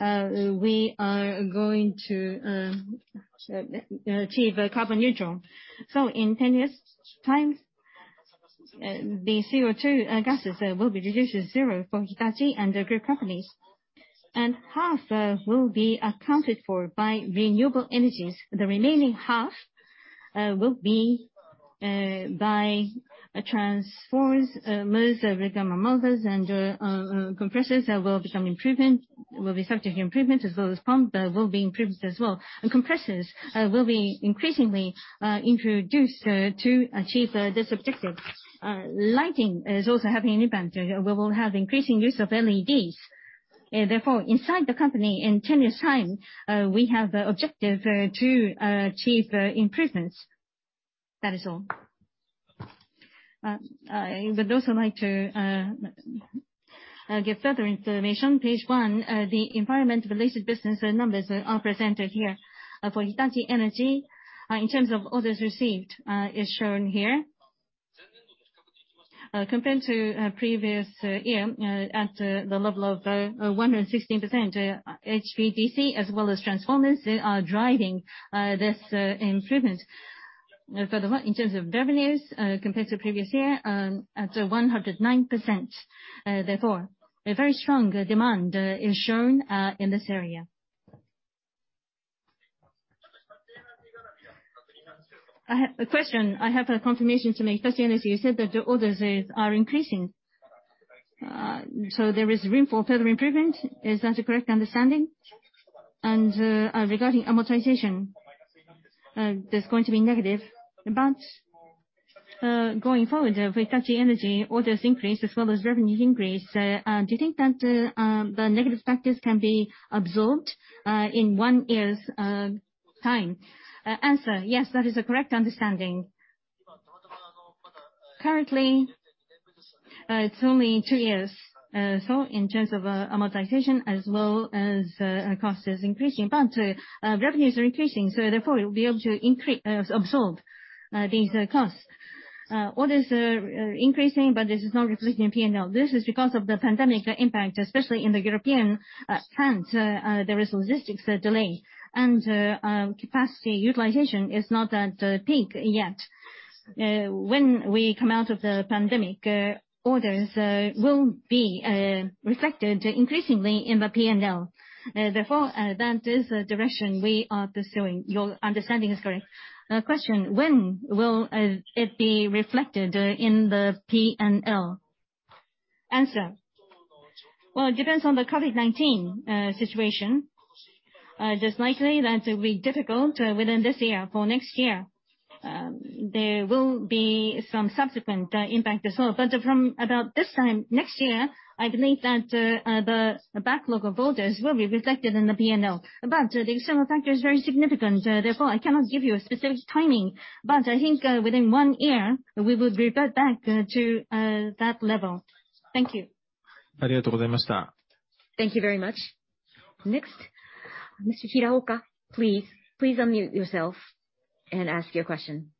we are going to achieve carbon neutral. In 10 years' time, the CO2 gases will be reduced to zero for Hitachi and the group companies. Half will be accounted for by renewable energies. The remaining half will be by transformers. Most regular motors and compressors will be subject to improvement, as well as pumps will be improved as well. Compressors will be increasingly introduced to achieve this objective. Lighting is also having an impact. We will have increasing use of LEDs. Therefore, inside the company, in 10 years' time, we have the objective to achieve improvements. That is all. I would also like to give further information. Page one, the environment-related business numbers are presented here. For Hitachi Energy, in terms of orders received, is shown here. Compared to previous year at the level of 116%, HVDC as well as transformers, they are driving this improvement. Furthermore, in terms of revenues, compared to previous year at 109%. Therefore, a very strong demand is shown in this area. A question. I have a confirmation to make. Hitachi Energy, you said that the orders are increasing, so there is room for further improvement. Is that a correct understanding? Regarding amortization, that's going to be negative. Going forward, if Hitachi Energy orders increase as well as revenues increase, do you think that the negative factors can be absorbed in one year's time? Answer, yes, that is the correct understanding. Currently, it's only two years. In terms of amortization as well as cost is increasing. Revenues are increasing, so therefore we'll be able to absorb these costs. Orders are increasing, but this is not reflecting in P&L. This is because of the pandemic impact, especially in the European front. There is logistics delay and capacity utilization is not at peak yet. When we come out of the pandemic, orders will be reflected increasingly in the P&L. Therefore, that is the direction we are pursuing. Your understanding is correct. A question. When will it be reflected in the P&L? Answer. Well, it depends on the COVID-19 situation. It is likely that it will be difficult within this year. For next year, there will be some subsequent impact as well. From about this time next year, I believe that the backlog of orders will be reflected in the P&L. The external factor is very significant, therefore, I cannot give you a specific timing. I think within one year, we will revert back to that level. Thank you. Thank you very much. Next, Mr. Hiraoka, please. Please unmute yourself and ask your question.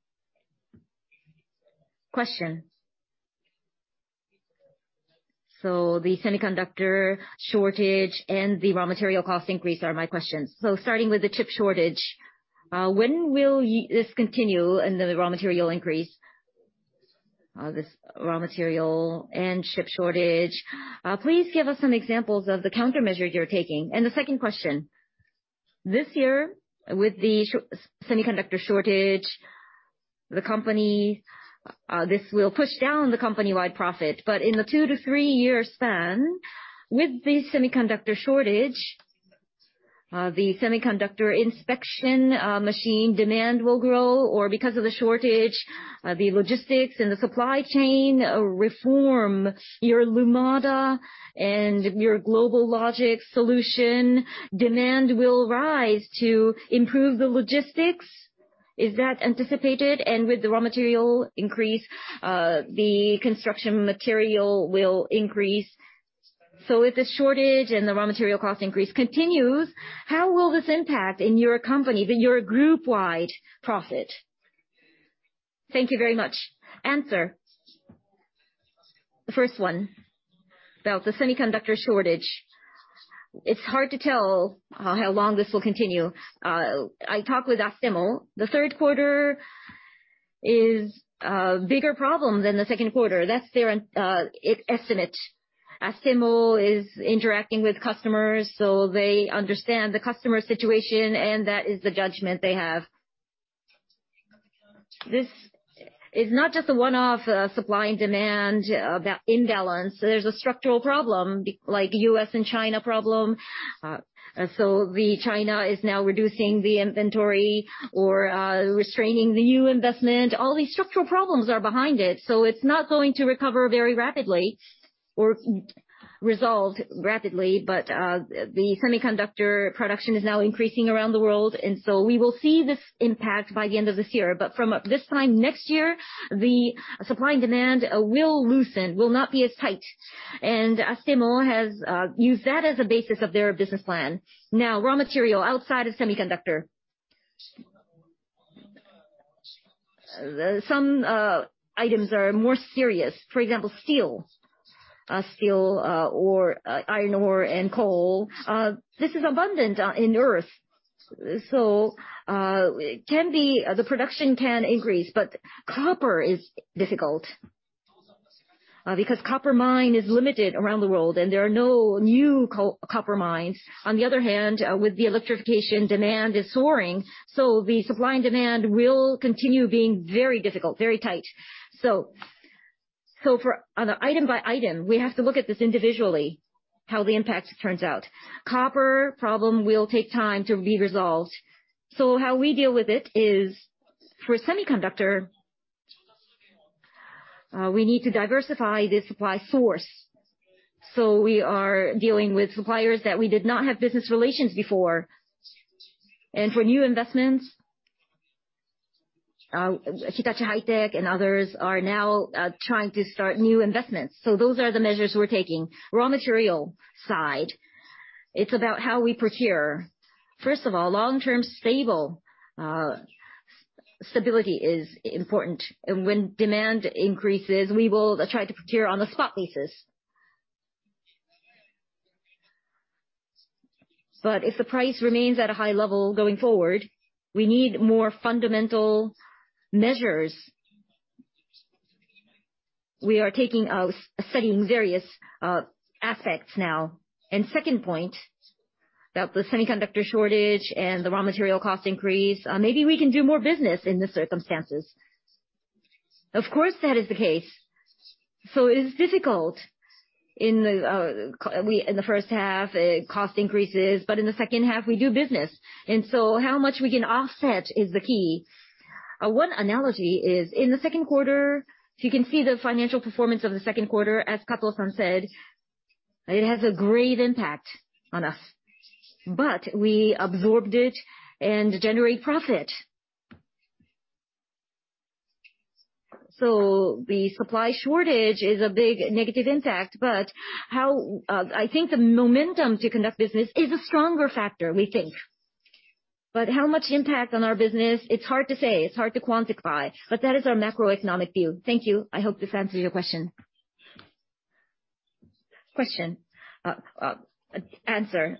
Question. The semiconductor shortage and the raw material cost increase are my questions. Starting with the chip shortage, when will this continue, and then the raw material increase? This raw material and chip shortage, please give us some examples of the countermeasure you're taking. The second question, this year, with the semiconductor shortage, the company, this will push down the company-wide profit. In the two to three-year span, with the semiconductor shortage, the semiconductor inspection machine demand will grow, or because of the shortage, the logistics and the supply chain reform, your Lumada and your GlobalLogic solution demand will rise to improve the logistics. Is that anticipated? With the raw material increase, the construction material will increase. If the shortage and the raw material cost increase continues, how will this impact in your company, in your group-wide profit? Thank you very much. The first one, about the semiconductor shortage. It's hard to tell how long this will continue. I talked with Astemo. The third quarter is a bigger problem than the second quarter. That's their estimate. Astemo is interacting with customers, so they understand the customer situation, and that is the judgment they have. This is not just a one-off supply and demand imbalance. There's a structural problem, like U.S. and China problem. China is now reducing the inventory or restraining the new investment. All these structural problems are behind it. It's not going to recover very rapidly or resolve rapidly. The semiconductor production is now increasing around the world, and so we will see this impact by the end of this year. From this time next year, the supply and demand will loosen, will not be as tight. Astemo has used that as a basis of their business plan. Now, raw material outside of semiconductor. Some items are more serious. For example, steel or iron ore and coal. This is abundant in earth, so the production can increase, but copper is difficult because copper mine is limited around the world, and there are no new copper mines. On the other hand, with the electrification, demand is soaring, so the supply and demand will continue being very difficult, very tight. On an item-by-item basis, we have to look at this individually, how the impact turns out. Copper problem will take time to be resolved. How we deal with it is for semiconductor, we need to diversify the supply source. We are dealing with suppliers that we did not have business relations before. For new investments, Hitachi High-Tech and others are now trying to start new investments. Those are the measures we're taking. Raw material side, it's about how we procure. First of all, long-term stability is important. When demand increases, we will try to procure on a spot basis. If the price remains at a high level going forward, we need more fundamental measures. We are studying various aspects now. Second point, that the semiconductor shortage and the raw material cost increase, maybe we can do more business in this circumstances. Of course, that is the case. It is difficult in the first half, cost increases, but in the second half, we do business. How much we can offset is the key. One analogy is in the second quarter, if you can see the financial performance of the second quarter, as Kato-san said, it has a great impact on us. But we absorbed it and generate profit. The supply shortage is a big negative impact, but, I think the momentum to conduct business is a stronger factor, we think. But how much impact on our business, it's hard to say. It's hard to quantify, but that is our macroeconomic view. Thank you. I hope this answers your question. Answer.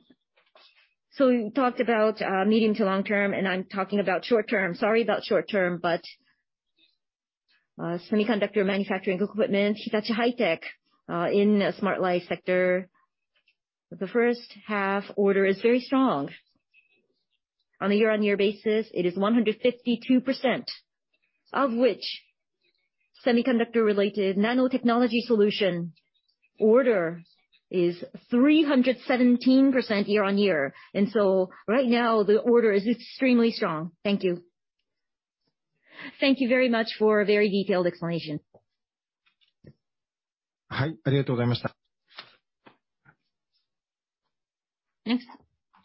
You talked about medium to long term, and I'm talking about short term. Sorry about short term, but semiconductor manufacturing equipment, Hitachi High-Tech in the Smart Life sector, the first half order is very strong. On a year-on-year basis, it is 152%, of which semiconductor-related nanotechnology solution order is 317% year-on-year. Right now, the order is extremely strong. Thank you. Thank you very much for a very detailed explanation. Next,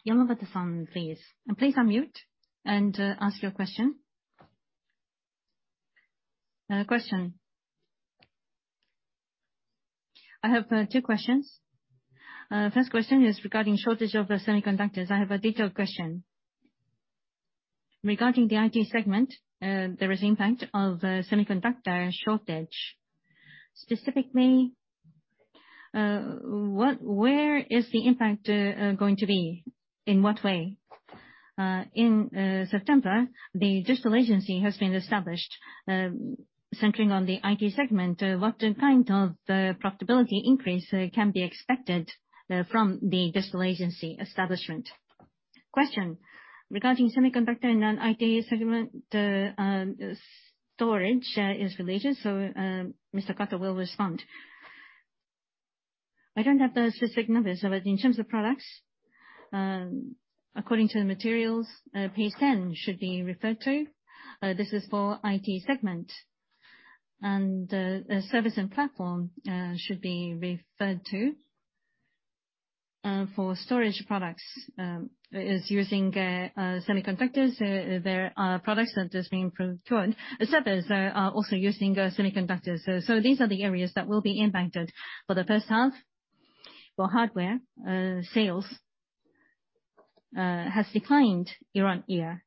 Yamagata-san, please. Please unmute and ask your question. Question. I have two questions. First question is regarding shortage of semiconductors. I have a detailed question. Regarding the IT segment, there is impact of semiconductor shortage. Specifically, what, where is the impact going to be, in what way? In September, the digital agency has been established. Centering on the IT segment, what kind of profitability increase can be expected from the digital agency establishment? Question regarding semiconductor in an IT segment, storage is related, so Mr. Kato will respond. I don't have the specific numbers, but in terms of products, according to the materials, page 10 should be referred to. This is for IT segment. Service and platform should be referred to for storage products is using semiconductors. There are products that is being procured. Servers are also using semiconductors. These are the areas that will be impacted for the first half. For hardware, sales has declined year-on-year.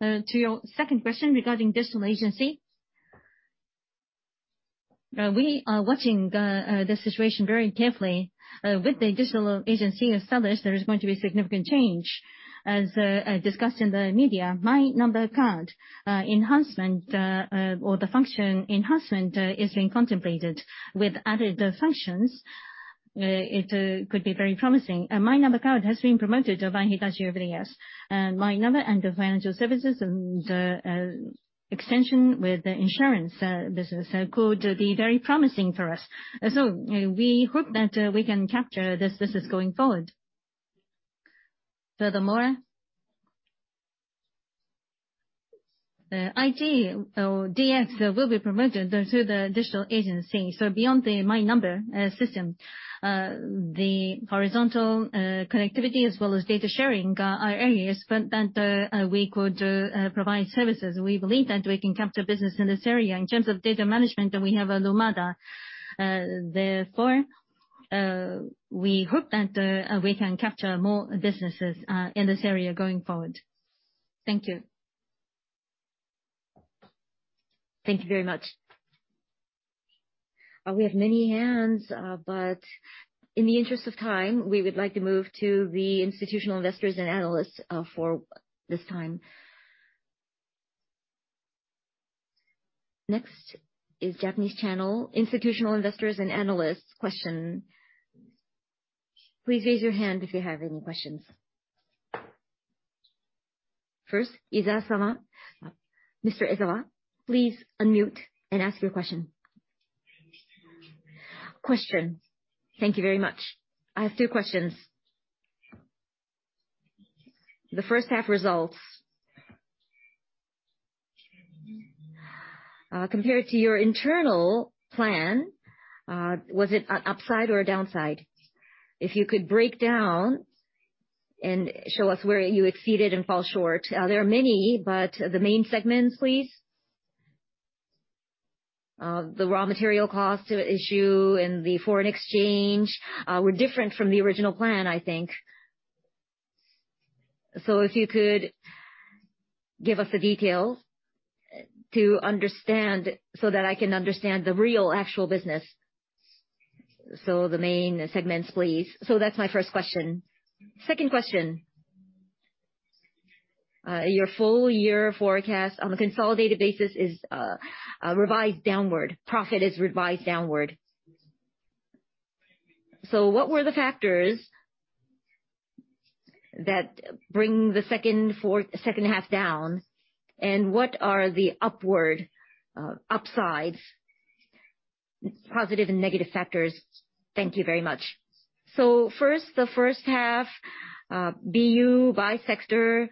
To your second question regarding digital agency. We are watching the situation very carefully. With the digital agency established, there is going to be significant change. As discussed in the media, My Number Card enhancement, or the function enhancement, is being contemplated. With added functions, it could be very promising. My Number Card has been promoted by Hitachi over the years. My Number and the financial services and extension with the insurance business could be very promising for us. We hope that we can capture this business going forward. Furthermore, the IT or DX will be promoted through the digital agency. Beyond the My Number system, the horizontal connectivity as well as data sharing are areas that we could provide services. We believe that we can capture business in this area. In terms of data management, we have Lumada. Therefore, we hope that we can capture more businesses in this area going forward. Thank you. Thank you very much. We have many hands, but in the interest of time, we would like to move to the institutional investors and analysts for this time. Next is Japanese channel, institutional investors and analysts question. Please raise your hand if you have any questions. First, Ezawa-sama. Mr. Ezawa, please unmute and ask your question. Question. Thank you very much. I have two questions. The first half results compared to your internal plan was it an upside or a downside? If you could break down and show us where you exceeded and fall short. There are many, but the main segments, please. The raw material cost issue and the foreign exchange were different from the original plan, I think. If you could give us the details to understand so that I can understand the real actual business. The main segments, please. That's my first question. Second question, your full-year forecast on the consolidated basis is revised downward. Profit is revised downward. What were the factors that bring the second half down? And what are the upward upsides, positive and negative factors? Thank you very much. First, the first half, BU by sector,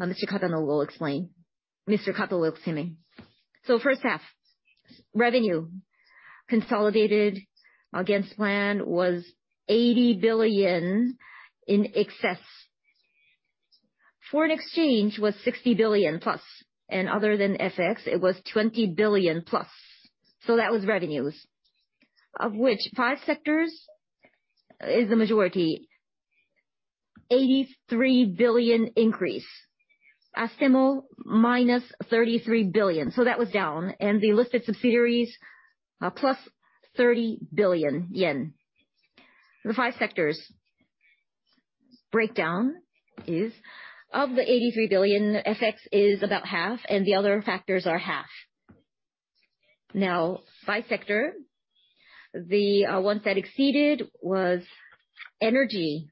Mr. Kato will explain. First half, revenue consolidated against plan was 80 billion in excess. Foreign exchange was +60 billion, and other than FX, it was +20 billion. That was revenues. Of which five sectors is the majority, 83 billion increase. Astemo, -33 billion. That was down. The listed subsidiaries, +30 billion yen. The five sectors breakdown is, of the 83 billion, FX is about 1/2, and the other factors are 1/2. Now, by sector, the ones that exceeded was Energy.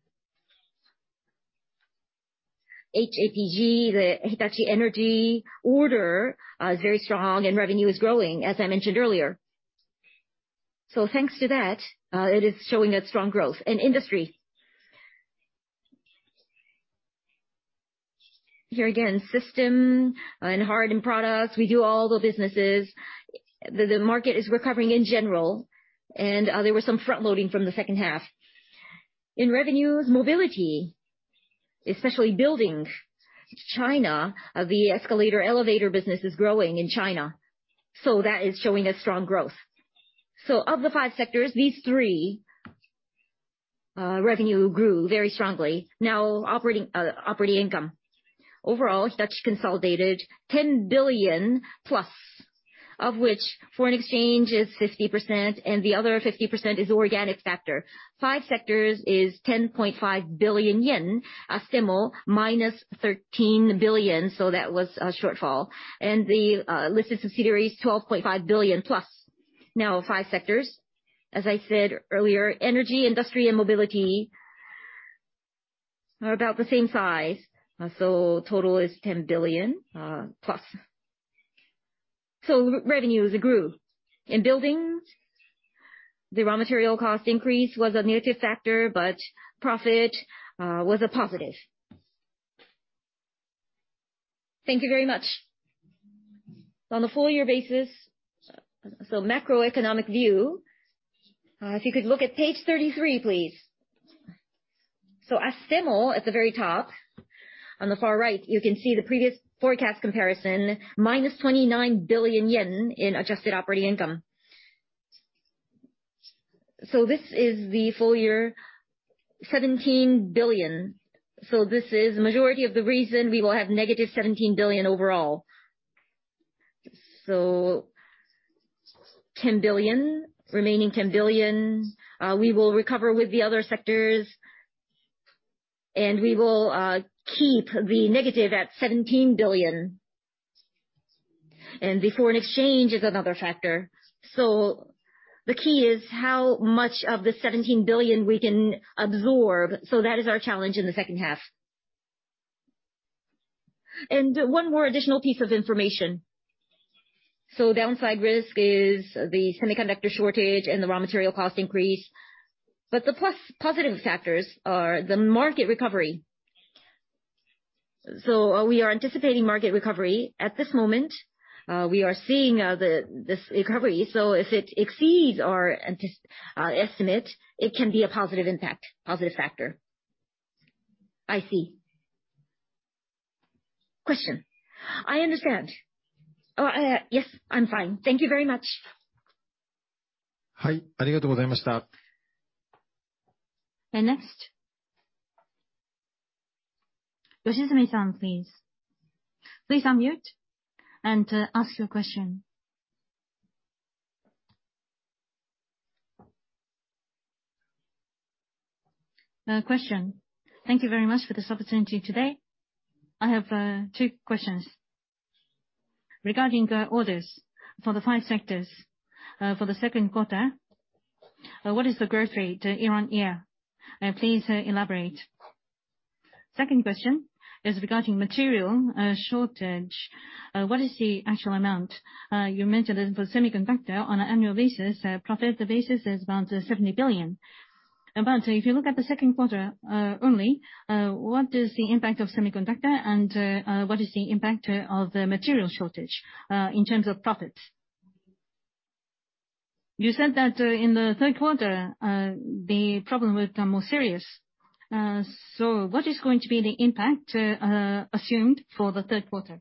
HAPG, the Hitachi Energy order, is very strong and revenue is growing, as I mentioned earlier. Thanks to that, it is showing a strong growth. Industry. Here again, systems and hardware products, we do all the businesses. The market is recovering in general, and there was some front-loading from the second half. In revenues, mobility, especially Buildings, in China, the escalator, elevator business is growing in China, so that is showing a strong growth. Of the five sectors, these three, revenue grew very strongly. Now operating income. Overall, Hitachi consolidated +10 billion, of which foreign exchange is 50% and the other 50% is organic factor. Five sectors is 10.5 billion yen. Astemo, -13 billion, so that was a shortfall. The listed subsidiaries, +12.5 billion. Now five sectors, as I said earlier, Energy, industry, and mobility are about the same size. Total is +JPY 10 billion. Revenues grew. In buildings, the raw material cost increase was a negative factor, but profit was a positive. Thank you very much. On the full-year basis, macroeconomic view, if you could look at page 33, please. Astemo at the very top, on the far right you can see the previous forecast comparison, -29 billion yen in adjusted operating income. This is the full-year, 17 billion. This is majority of the reason we will have -17 billion overall. 10 billion, remaining 10 billion, we will recover with the other sectors, and we will keep the negative at 17 billion. The foreign exchange is another factor. The key is how much of the 17 billion we can absorb. That is our challenge in the second half. One more additional piece of information. Downside risk is the semiconductor shortage and the raw material cost increase. The plus, positive factors are the market recovery. We are anticipating market recovery. At this moment, we are seeing this recovery, so if it exceeds our estimate, it can be a positive impact, positive factor. I see. Question. I understand. Oh, yes, I'm fine. Thank you very much. Next. Yoshizumi-san, please. Please unmute and ask your question. Question. Thank you very much for this opportunity today. I have two questions. Regarding the orders for the five sectors, for the second quarter, what is the growth rate year-on-year? Please elaborate. Second question is regarding material shortage. What is the actual amount? You mentioned it for semiconductor on an annual basis, profit basis is about 70 billion. If you look at the second quarter only, what is the impact of semiconductor and what is the impact of the material shortage in terms of profits? You said that in the third quarter the problem will become more serious. What is going to be the impact assumed for the third quarter?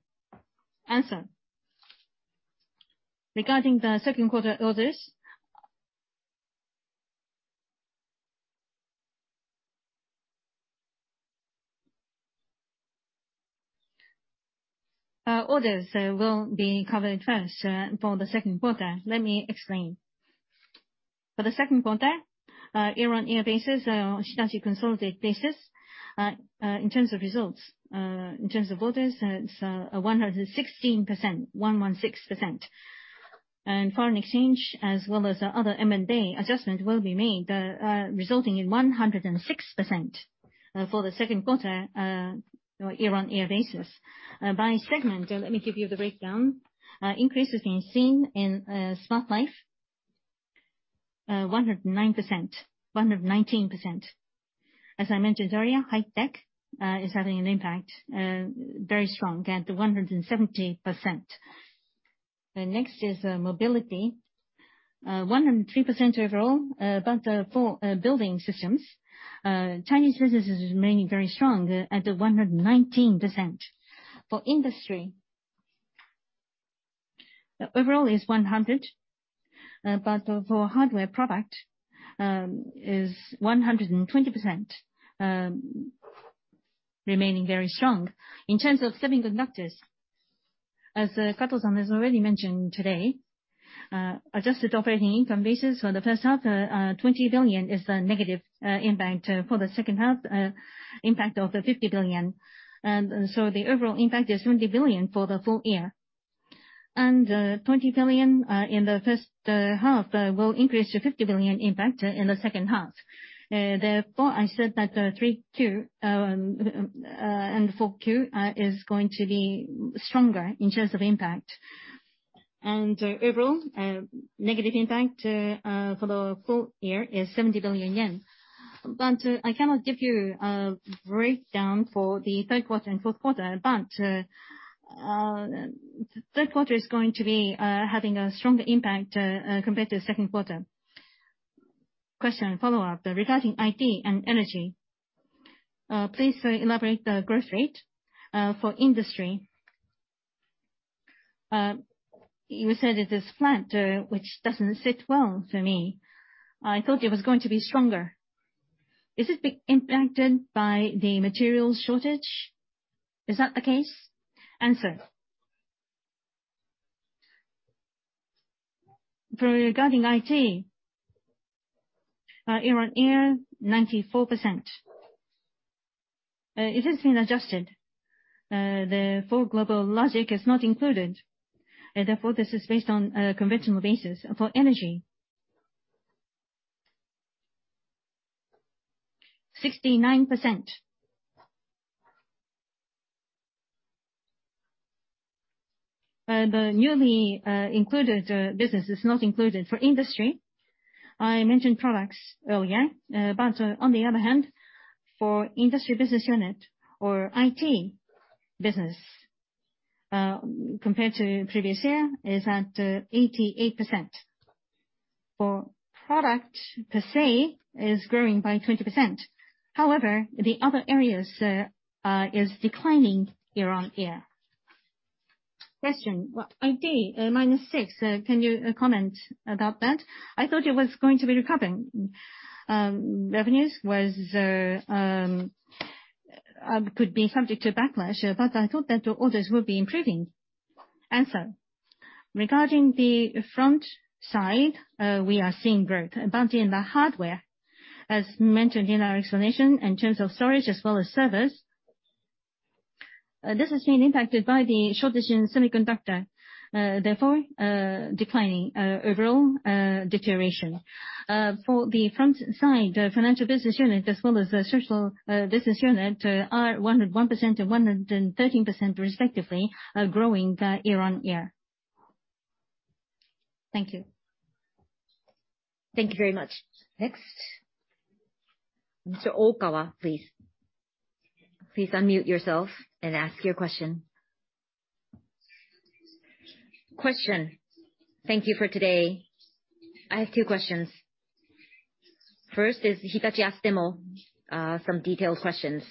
Answer. Regarding the second quarter orders. Orders will be covered first for the second quarter. Let me explain. For the second quarter, year-on-year basis, Hitachi consolidated basis, in terms of results, in terms of orders, it's 116%, 116%. Foreign exchange as well as other M&A adjustment will be made, resulting in 106% for the second quarter, year-on-year basis. By segment, let me give you the breakdown. Increases being seen in Smart Life, 109%, 119%. As I mentioned earlier, High-Tech is having an impact, very strong at 170%. The next is mobility. 103% overall, but for Building Systems, Chinese business is remaining very strong at 119%. For industry, overall is 100%, but for hardware product is 120%, remaining very strong. In terms of semiconductors, as Kato-san has already mentioned today, adjusted operating income basis for the first half, 20 billion is the negative impact. For the second half, impact of the 50 billion. So the overall impact is 70 billion for the full-year. 20 billion in the first half will increase to 50 billion impact in the second half. Therefore, I said that 3Q and 4Q is going to be stronger in terms of impact. Overall, negative impact for the full-year is 70 billion yen. I cannot give you a breakdown for the third quarter and fourth quarter. The third quarter is going to be having a stronger impact compared to the second quarter. Regarding IT and Energy, please elaborate the growth rate for industry. You said it is flat, which doesn't sit well for me. I thought it was going to be stronger. Is it impacted by the material shortage? Is that the case? Regarding IT, year-on-year, 94%. It has been adjusted. The full GlobalLogic is not included, and therefore, this is based on a conventional basis. For Energy, 69%. The newly included business is not included. For industry, I mentioned products earlier. On the other hand, for industry business unit or IT business, compared to previous year is at 88%. For product per se is growing by 20%. However, the other areas is declining year-on-year. Question. IT, -6%, can you comment about that? I thought it was going to be recovering. Revenues was could be subject to backlash, but I thought that the orders would be improving. Answer. Regarding the front side, we are seeing growth, but in the hardware, as mentioned in our explanation, in terms of storage as well as service, this has been impacted by the shortage in semiconductor, therefore declining overall deterioration. For the front side, Financial Business Unit as well as the Social Business Unit are 101% and 113% respectively growing year-on-year. Thank you. Thank you very much. Next. Mr. Okawa, please. Please unmute yourself and ask your question. Thank you for today. I have two questions. First is Hitachi Astemo, some detailed questions.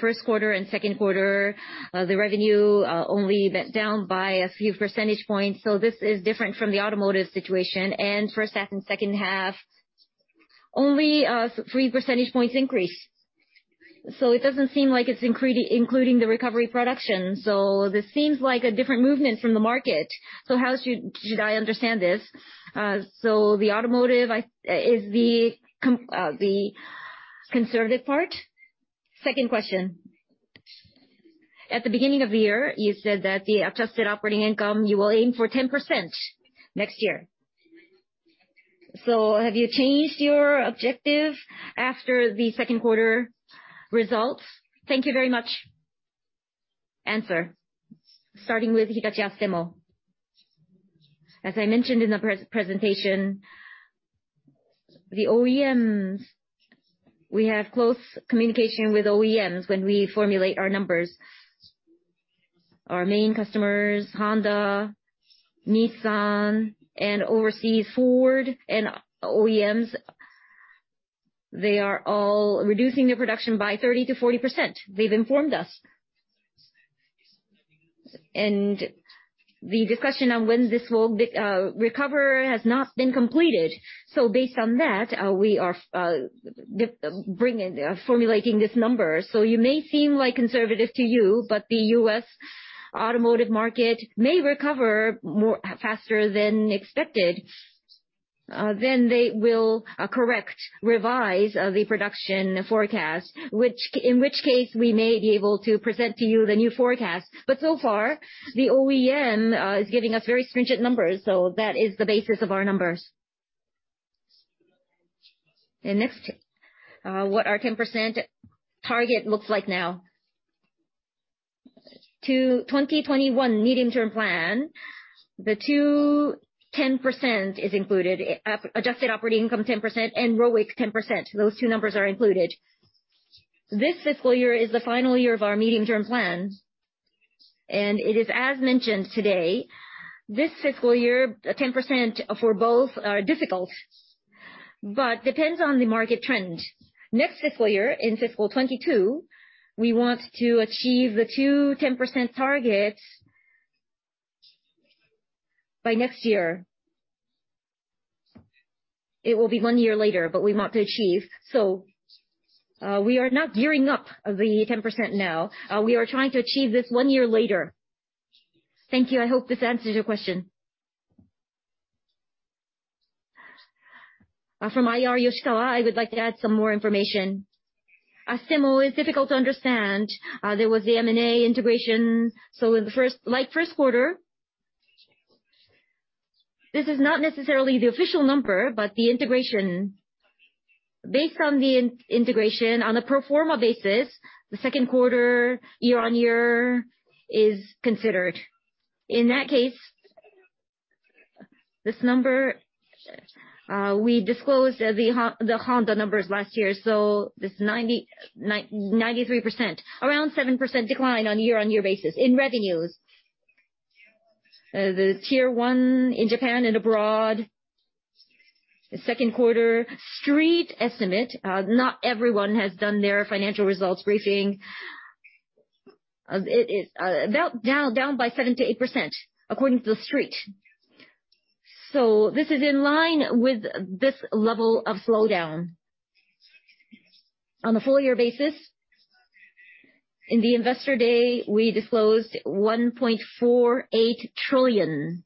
First quarter and second quarter, the revenue only went down by a few percentage points, so this is different from the automotive situation. For second half, only three percentage points increase. It doesn't seem like it's including the recovery production, so this seems like a different movement from the market. How should I understand this, the automotive is the conservative part? Second question. At the beginning of the year, you said that the adjusted operating income, you will aim for 10% next year. Have you changed your objective after the second quarter results? Thank you very much. Starting with Hitachi Astemo. As I mentioned in the presentation, the OEMs, we have close communication with OEMs when we formulate our numbers. Our main customers, Honda, Nissan, and overseas, Ford and OEMs, they are all reducing their production by 30%-40%. They've informed us. The discussion on when this will recover has not been completed. Based on that, we are formulating this number. It may seem like conservative to you, but the U.S. automotive market may recover more, faster than expected. Then they will correct, revise the production forecast, in which case, we may be able to present to you the new forecast. So far, the OEM is giving us very stringent numbers. That is the basis of our numbers. Next, what our 10% target looks like now. To the 2021 medium-term plan, the two 10% is included. Adjusted operating income 10% and ROIC 10%. Those two numbers are included. This fiscal year is the final year of our medium-term plan, and it is as mentioned today, this fiscal year, 10% for both are difficult, but depends on the market trend. Next fiscal year, in fiscal 2022, we want to achieve the two 10% targets by next year. It will be one year later, but we want to achieve. We are now gearing up the 10% now. We are trying to achieve this one year later. Thank you. I hope this answers your question. From IR, Yoshikawa, I would like to add some more information. Astemo is difficult to understand. There was the M&A integration, so in the first, like first quarter, this is not necessarily the official number, but the integration. Based on the integration on a pro forma basis, the second quarter year-on-year is considered. In that case, this number, we disclosed the Honda numbers last year, so this 93%, around 7% decline on a year-on-year basis in revenues. The Tier 1 in Japan and abroad, the second quarter street estimate, not everyone has done their financial results briefing. It is down by 7%-8% according to the street. This is in line with this level of slowdown. On a full-year basis, in the Investor Day, we disclosed 1.48 trillion.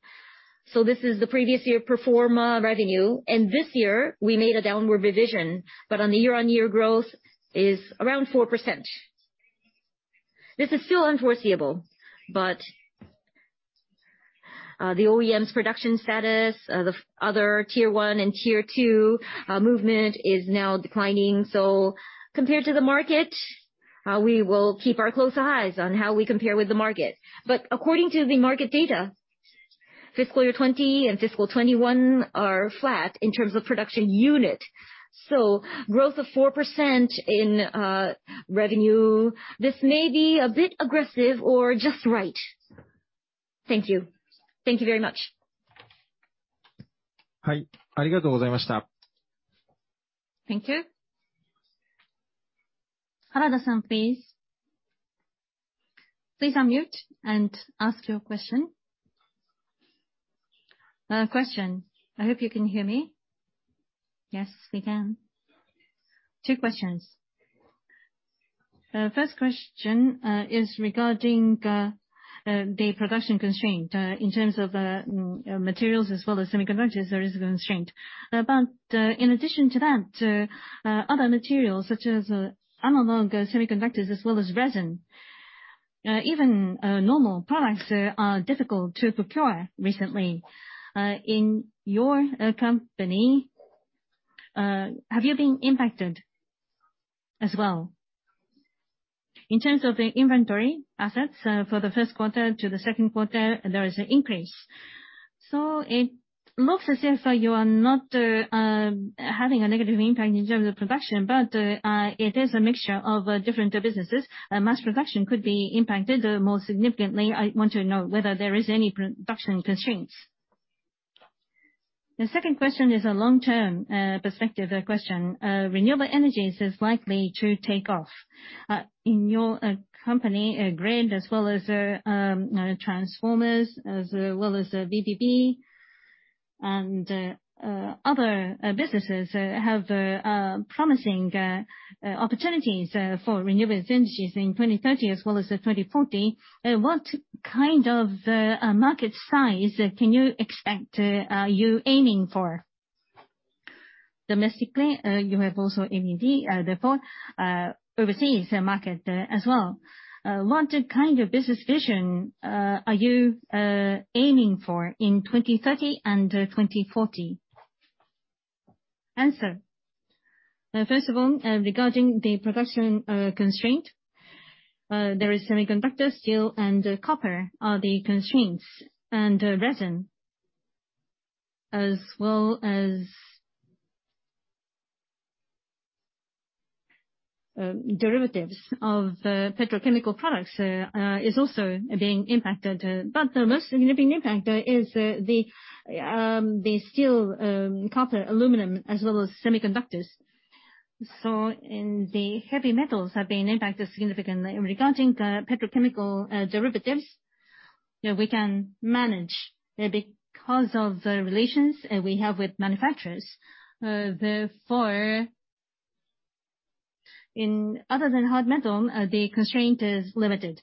This is the previous year pro forma revenue. This year we made a downward revision, but the year-on-year growth is around 4%. This is still unforeseeable, but the OEM's production status, the other tier one and tier two movement is now declining. Compared to the market, we will keep a close eye on how we compare with the market. According to the market data, FY 2020 and FY 2021 are flat in terms of production unit. Growth of 4% in revenue, this may be a bit aggressive or just right. Thank you. Thank you very much. Thank you. Harada-san, please. Please unmute and ask your question. Question. I hope you can hear me. Yes, we can. Two questions. First question is regarding the production constraint. In terms of materials as well as semiconductors, there is a constraint. In addition to that, other materials such as among semiconductors as well as resin, even normal products are difficult to procure recently. In your company, have you been impacted as well? In terms of the inventory assets, for the first quarter to the second quarter, there is an increase. It looks as if you are not having a negative impact in terms of production, but it is a mixture of different businesses. Mass production could be impacted more significantly. I want to know whether there is any production constraints. The second question is a long-term perspective question. Renewable energies is likely to take off. In your company, grid as well as, you know, transformers, as well as, VPP and other businesses have promising opportunities for renewable energies in 2030 as well as 2040. What kind of market size can you expect, are you aiming for? Domestically, you have also ABB, therefore, overseas market as well. What kind of business vision are you aiming for in 2030 and 2040? Answer. First of all, regarding the production constraint, there is semiconductor, steel and copper are the constraints, and resin as well as derivatives of petrochemical products is also being impacted. The most significant impactor is the steel, copper, aluminum, as well as semiconductors. The heavy metals have been impacted significantly. Regarding the petrochemical derivatives, you know, we can manage because of the relations we have with manufacturers. Therefore, in other than hard metal, the constraint is limited.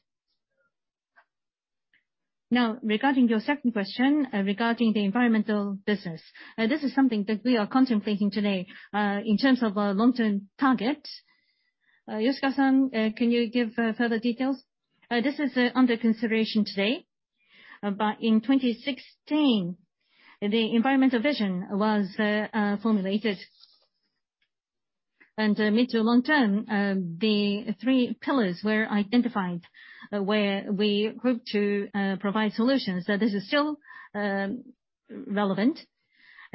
Now, regarding your second question, regarding the environmental business, this is something that we are contemplating today in terms of our long-term target. Yoshikawa-san, can you give further details? This is under consideration today. In 2016, the environmental vision was formulated. Mid- to long-term, the three pillars were identified where we hope to provide solutions. This is still relevant.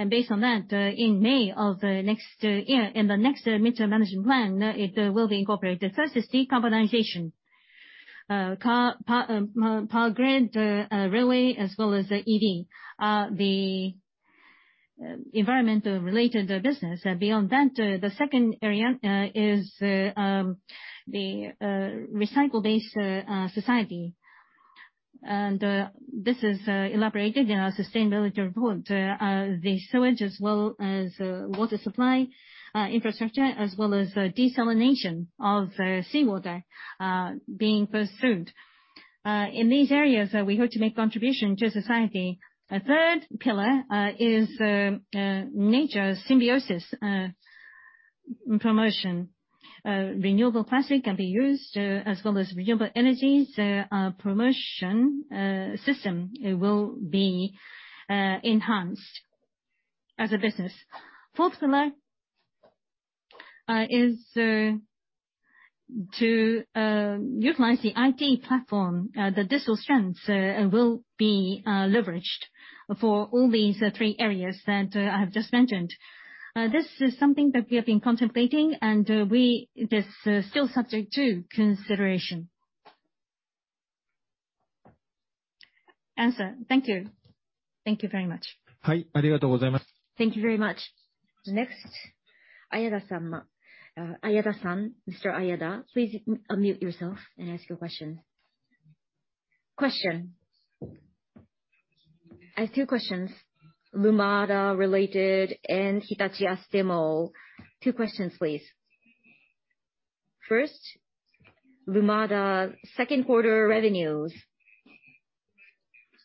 Based on that, in May of next year, in the next mid-term management plan, it will be incorporated. First is decarbonization. Carbon, power grid, railway, as well as EV. The environmental related business. Beyond that, the second area is the recycle-based society. This is elaborated in our sustainability report. The sewage as well as water supply infrastructure, as well as desalination of seawater being pursued. In these areas, we hope to make contribution to society. A third pillar is nature symbiosis promotion. Renewable plastic can be used as well as renewable energies. Our promotion system will be enhanced as a business. Fourth pillar. This is to utilize the IT platform, the digital strengths will be leveraged for all these three areas that I have just mentioned. This is something that we have been contemplating, and this is still subject to consideration. Answer. Thank you. Thank you very much. Thank you very much. Next, Ayada-san. Mr. Ayada, please unmute yourself and ask your question. Question. I have two questions. Lumada related and Hitachi Astemo. Two questions, please. First, Lumada second quarter revenues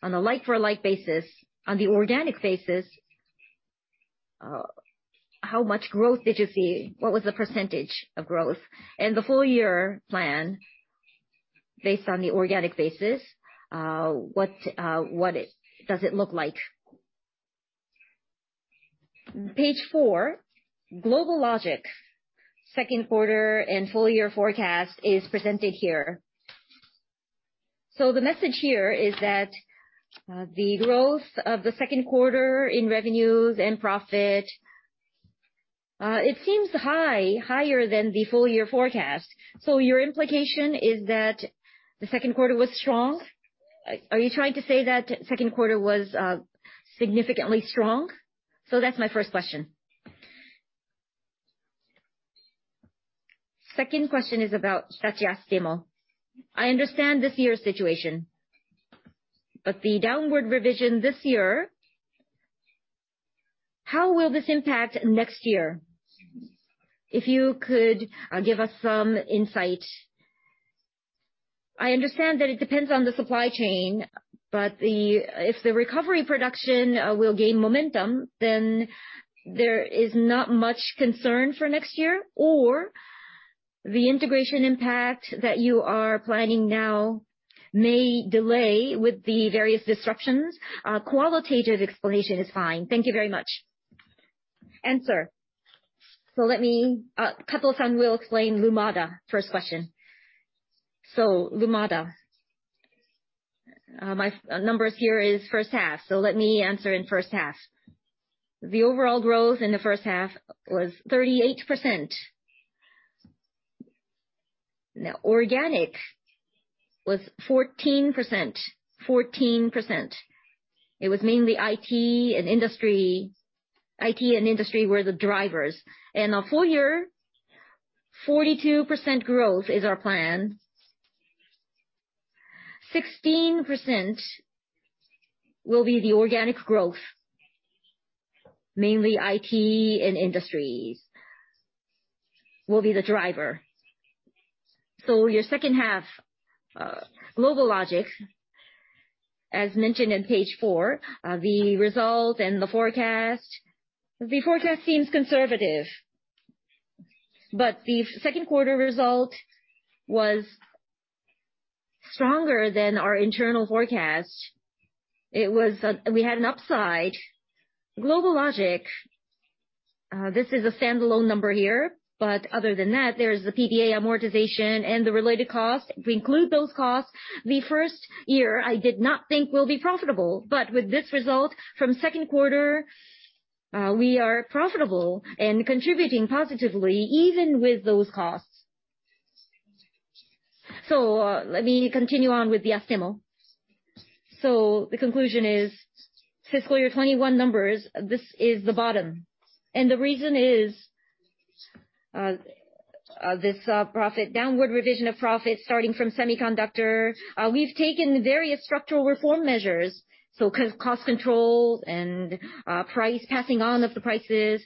on a like-for-like basis, on the organic basis, how much growth did you see? What was the percentage of growth? And the full-year plan based on the organic basis, what does it look like? Page four, GlobalLogic second quarter and full-year forecast is presented here. The message here is that, the growth of the second quarter in revenues and profit, it seems high, higher than the full-year forecast. Your implication is that the second quarter was strong. Are you trying to say that second quarter was significantly strong? That's my first question. Second question is about Hitachi Astemo. I understand this year's situation, but the downward revision this year, how will this impact next year? If you could give us some insight. I understand that it depends on the supply chain, but if the recovery production will gain momentum, then there is not much concern for next year, or the integration impact that you are planning now may delay with the various disruptions. A qualitative explanation is fine. Thank you very much. Answer. Let me- Kato-san will explain Lumada, first question. Lumada. My numbers here is first half, so let me answer in first half. The overall growth in the first half was 38%. Organic was 14%. It was mainly IT and industry were the drivers. Our full-year, 42% growth is our plan. 16% will be the organic growth. Mainly IT and industries will be the driver. Your second half, GlobalLogic, as mentioned in page four, the result and the forecast, the forecast seems conservative. The second quarter result was stronger than our internal forecast. We had an upside. GlobalLogic, this is a standalone number here, but other than that, there is the PPA amortization and the related cost. If we include those costs, the first year I did not think will be profitable, but with this result from second quarter, we are profitable and contributing positively even with those costs. Let me continue on with the Astemo. The conclusion is fiscal year 2021 numbers, this is the bottom. The reason is, this profit, downward revision of profit starting from semiconductor. We've taken various structural reform measures, so cost control, and price passing on of the prices.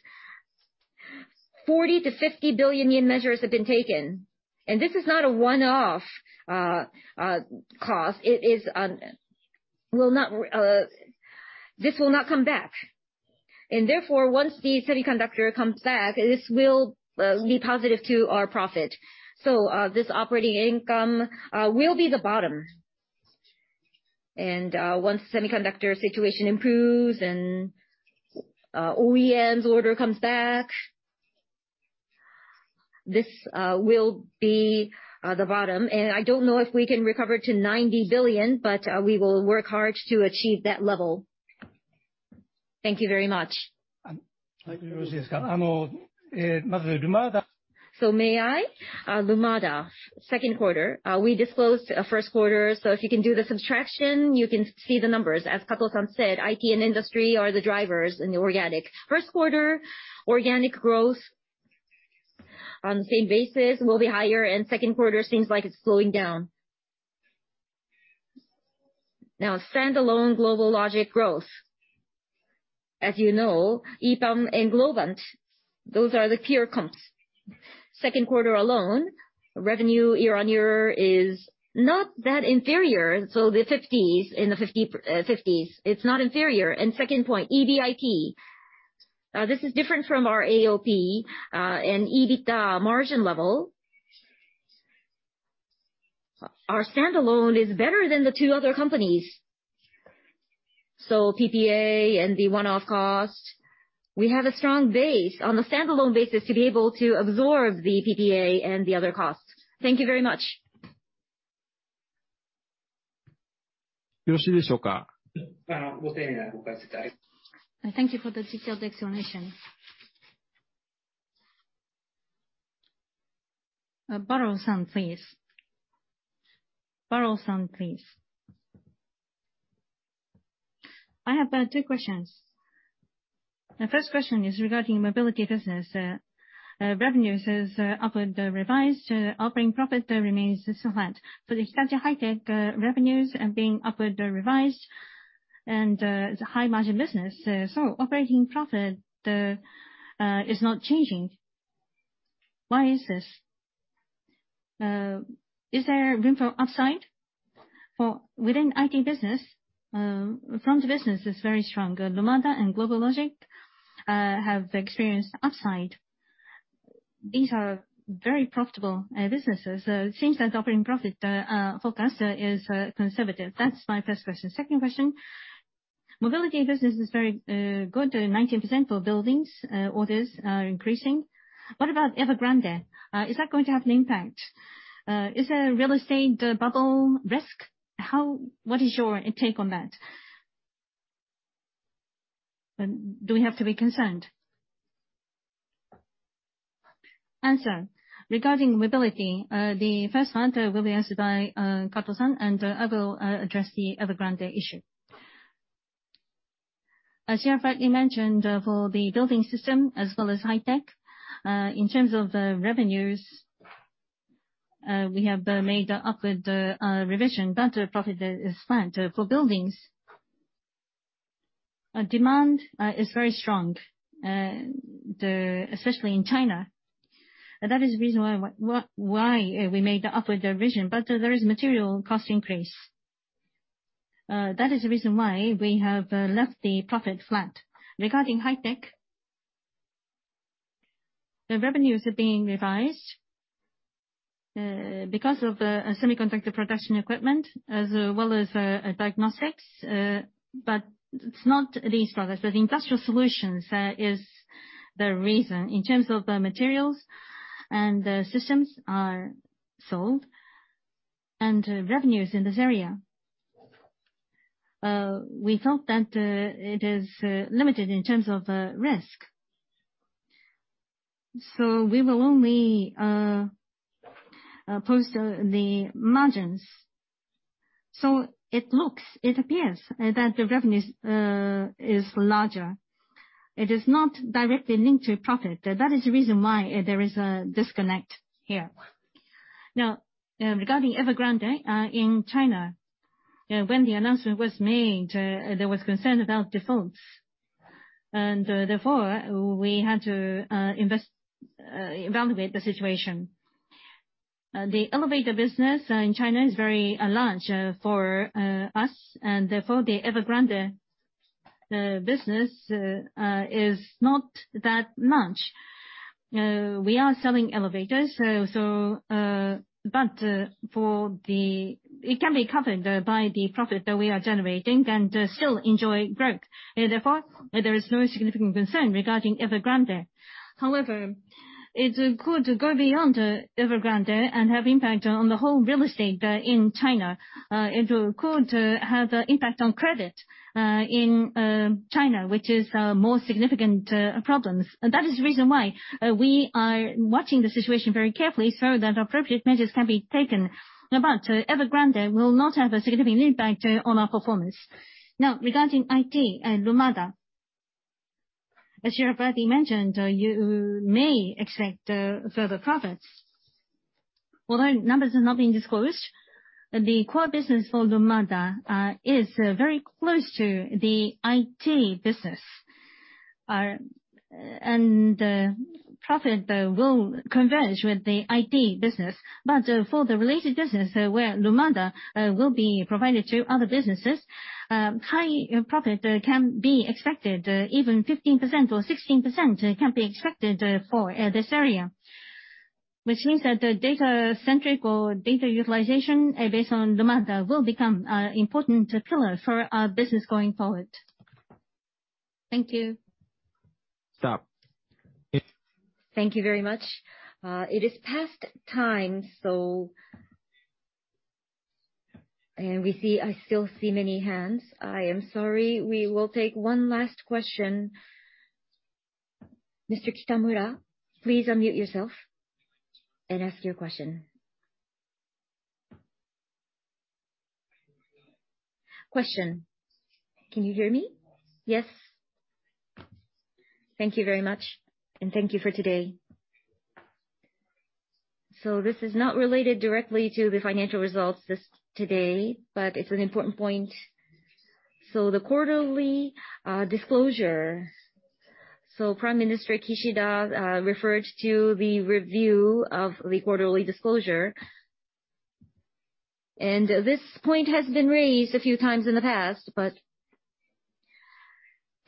40 billion-50 billion yen measures have been taken, and this is not a one-off cost. This will not come back. Therefore, once the semiconductor comes back, this will be positive to our profit. This operating income will be the bottom. Once semiconductor situation improves and OEM's order comes back, this will be the bottom. I don't know if we can recover to 90 billion, but we will work hard to achieve that level. Thank you very much. May I? Lumada second quarter, we disclosed first quarter, so if you can do the subtraction, you can see the numbers. As Kato-san said, IT and industry are the drivers in the organic. First quarter, organic growth on the same basis will be higher, and second quarter seems like it's slowing down. Now, standalone GlobalLogic growth. As you know, EPAM and Globant, those are the pure comps. Second quarter alone, revenue year-over-year is not that inferior, so the fifties, in the fifties, it's not inferior. Second point, EBIT. This is different from our AOP, and EBITDA margin level. Our standalone is better than the two other companies. PPA and the one-off cost, we have a strong base on a standalone basis to be able to absorb the PPA and the other costs. Thank you very much. Thank you for the detailed explanation. Bolor-san, please. Bolor-san, please. I have two questions. The first question is regarding mobility business. Revenues is upward revised. Operating profit remains the same. For Hitachi High-Tech, revenues are being upward revised and is a high margin business. Operating profit is not changing. Why is this? Is there room for upside for within IT business? Front business is very strong. Lumada and GlobalLogic have experienced upside. These are very profitable businesses. It seems that operating profit forecast is conservative. That's my first question. Second question, mobility business is very good, 19% for buildings. Orders are increasing. What about Evergrande? Is that going to have an impact? Is real estate bubble risk? What is your take on that? And do we have to be concerned? Answer. Regarding mobility, the first one will be answered by Kato-san, and I will address the Evergrande issue. As you have rightly mentioned, for the building system as well as high-tech, in terms of the revenues, we have made a upward revision. Profit is flat. For buildings, demand is very strong, especially in China. That is the reason why we made the upward revision. There is material cost increase. That is the reason why we have left the profit flat. Regarding high-tech, the revenues are being revised because of semiconductor production equipment as well as diagnostics. But it's not these products, but industrial solutions is the reason. In terms of the materials and the systems are sold and revenues in this area, we thought that it is limited in terms of risk. So we will only post the margins. So it looks, it appears that the revenues is larger. It is not directly linked to profit. That is the reason why there is a disconnect here. Now, regarding Evergrande in China, when the announcement was made, there was concern about defaults. Therefore, we had to evaluate the situation. The elevator business in China is very large for us, and therefore, the Evergrande business is not that much. We are selling elevators, but it can be covered by the profit that we are generating and still enjoy growth. Therefore, there is no significant concern regarding Evergrande. However, it could go beyond Evergrande and have impact on the whole real estate in China. It could have impact on credit in China, which is more significant problems. That is the reason why we are watching the situation very carefully so that appropriate measures can be taken. Evergrande will not have a significant impact on our performance. Now, regarding IT and Lumada, as you have rightly mentioned, you may expect further profits. Although numbers are not being disclosed, the core business for Lumada is very close to the IT business. Profit will converge with the IT business. For the related business where Lumada will be provided to other businesses, high profit can be expected. Even 15% or 16% can be expected for this area. Which means that the data centric or data utilization based on Lumada will become an important pillar for our business going forward. Thank you. Thank you very much. It is past time. We see, I still see many hands. I am sorry. We will take one last question. Mr. Kitamura, please unmute yourself and ask your question. Can you hear me? Yes. Thank you very much, and thank you for today. This is not related directly to the financial results today, but it's an important point. The quarterly disclosure. Prime Minister Kishida referred to the review of the quarterly disclosure. This point has been raised a few times in the past, but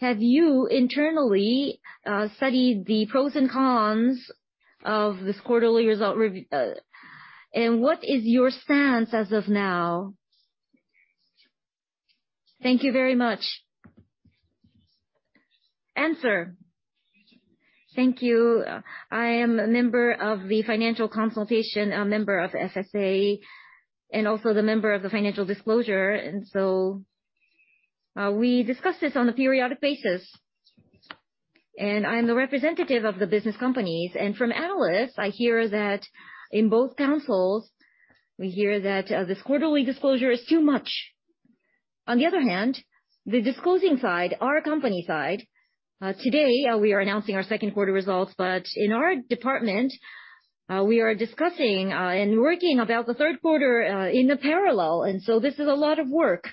have you internally studied the pros and cons of this quarterly result and what is your stance as of now? Thank you very much. Thank you. I am a member of the financial consultation, a member of FSA, and also the member of the financial disclosure. We discuss this on a periodic basis. I'm the representative of the business companies. From analysts, I hear that in both councils, we hear that this quarterly disclosure is too much. On the other hand, the disclosing side, our company side, today, we are announcing our second quarter results. In our department, we are discussing and working about the third quarter in the parallel. This is a lot of work.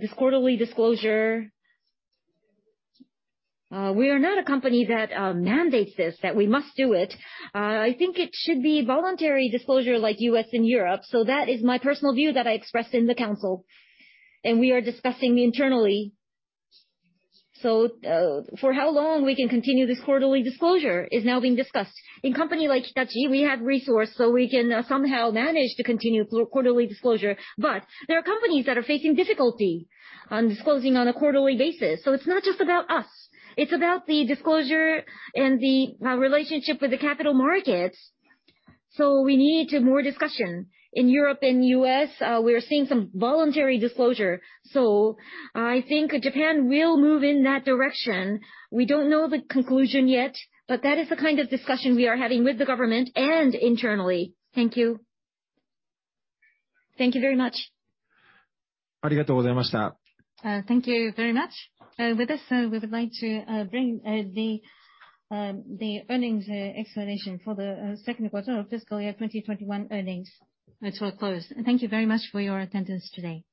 This quarterly disclosure. We are not a company that mandates this, that we must do it. I think it should be voluntary disclosure like U.S. and Europe. That is my personal view that I expressed in the council, and we are discussing internally. For how long we can continue this quarterly disclosure is now being discussed. In a company like Hitachi, we have resources, so we can somehow manage to continue quarterly disclosure. There are companies that are facing difficulty in disclosing on a quarterly basis. It's not just about us. It's about the disclosure and the relationship with the capital markets. We need more discussion. In Europe and U.S., we are seeing some voluntary disclosure, so I think Japan will move in that direction. We don't know the conclusion yet, but that is the kind of discussion we are having with the government and internally. Thank you. Thank you very much. Thank you very much. With this, we would like to bring the earnings explanation for the second quarter of fiscal year 2021 to a close. Thank you very much for your attendance today.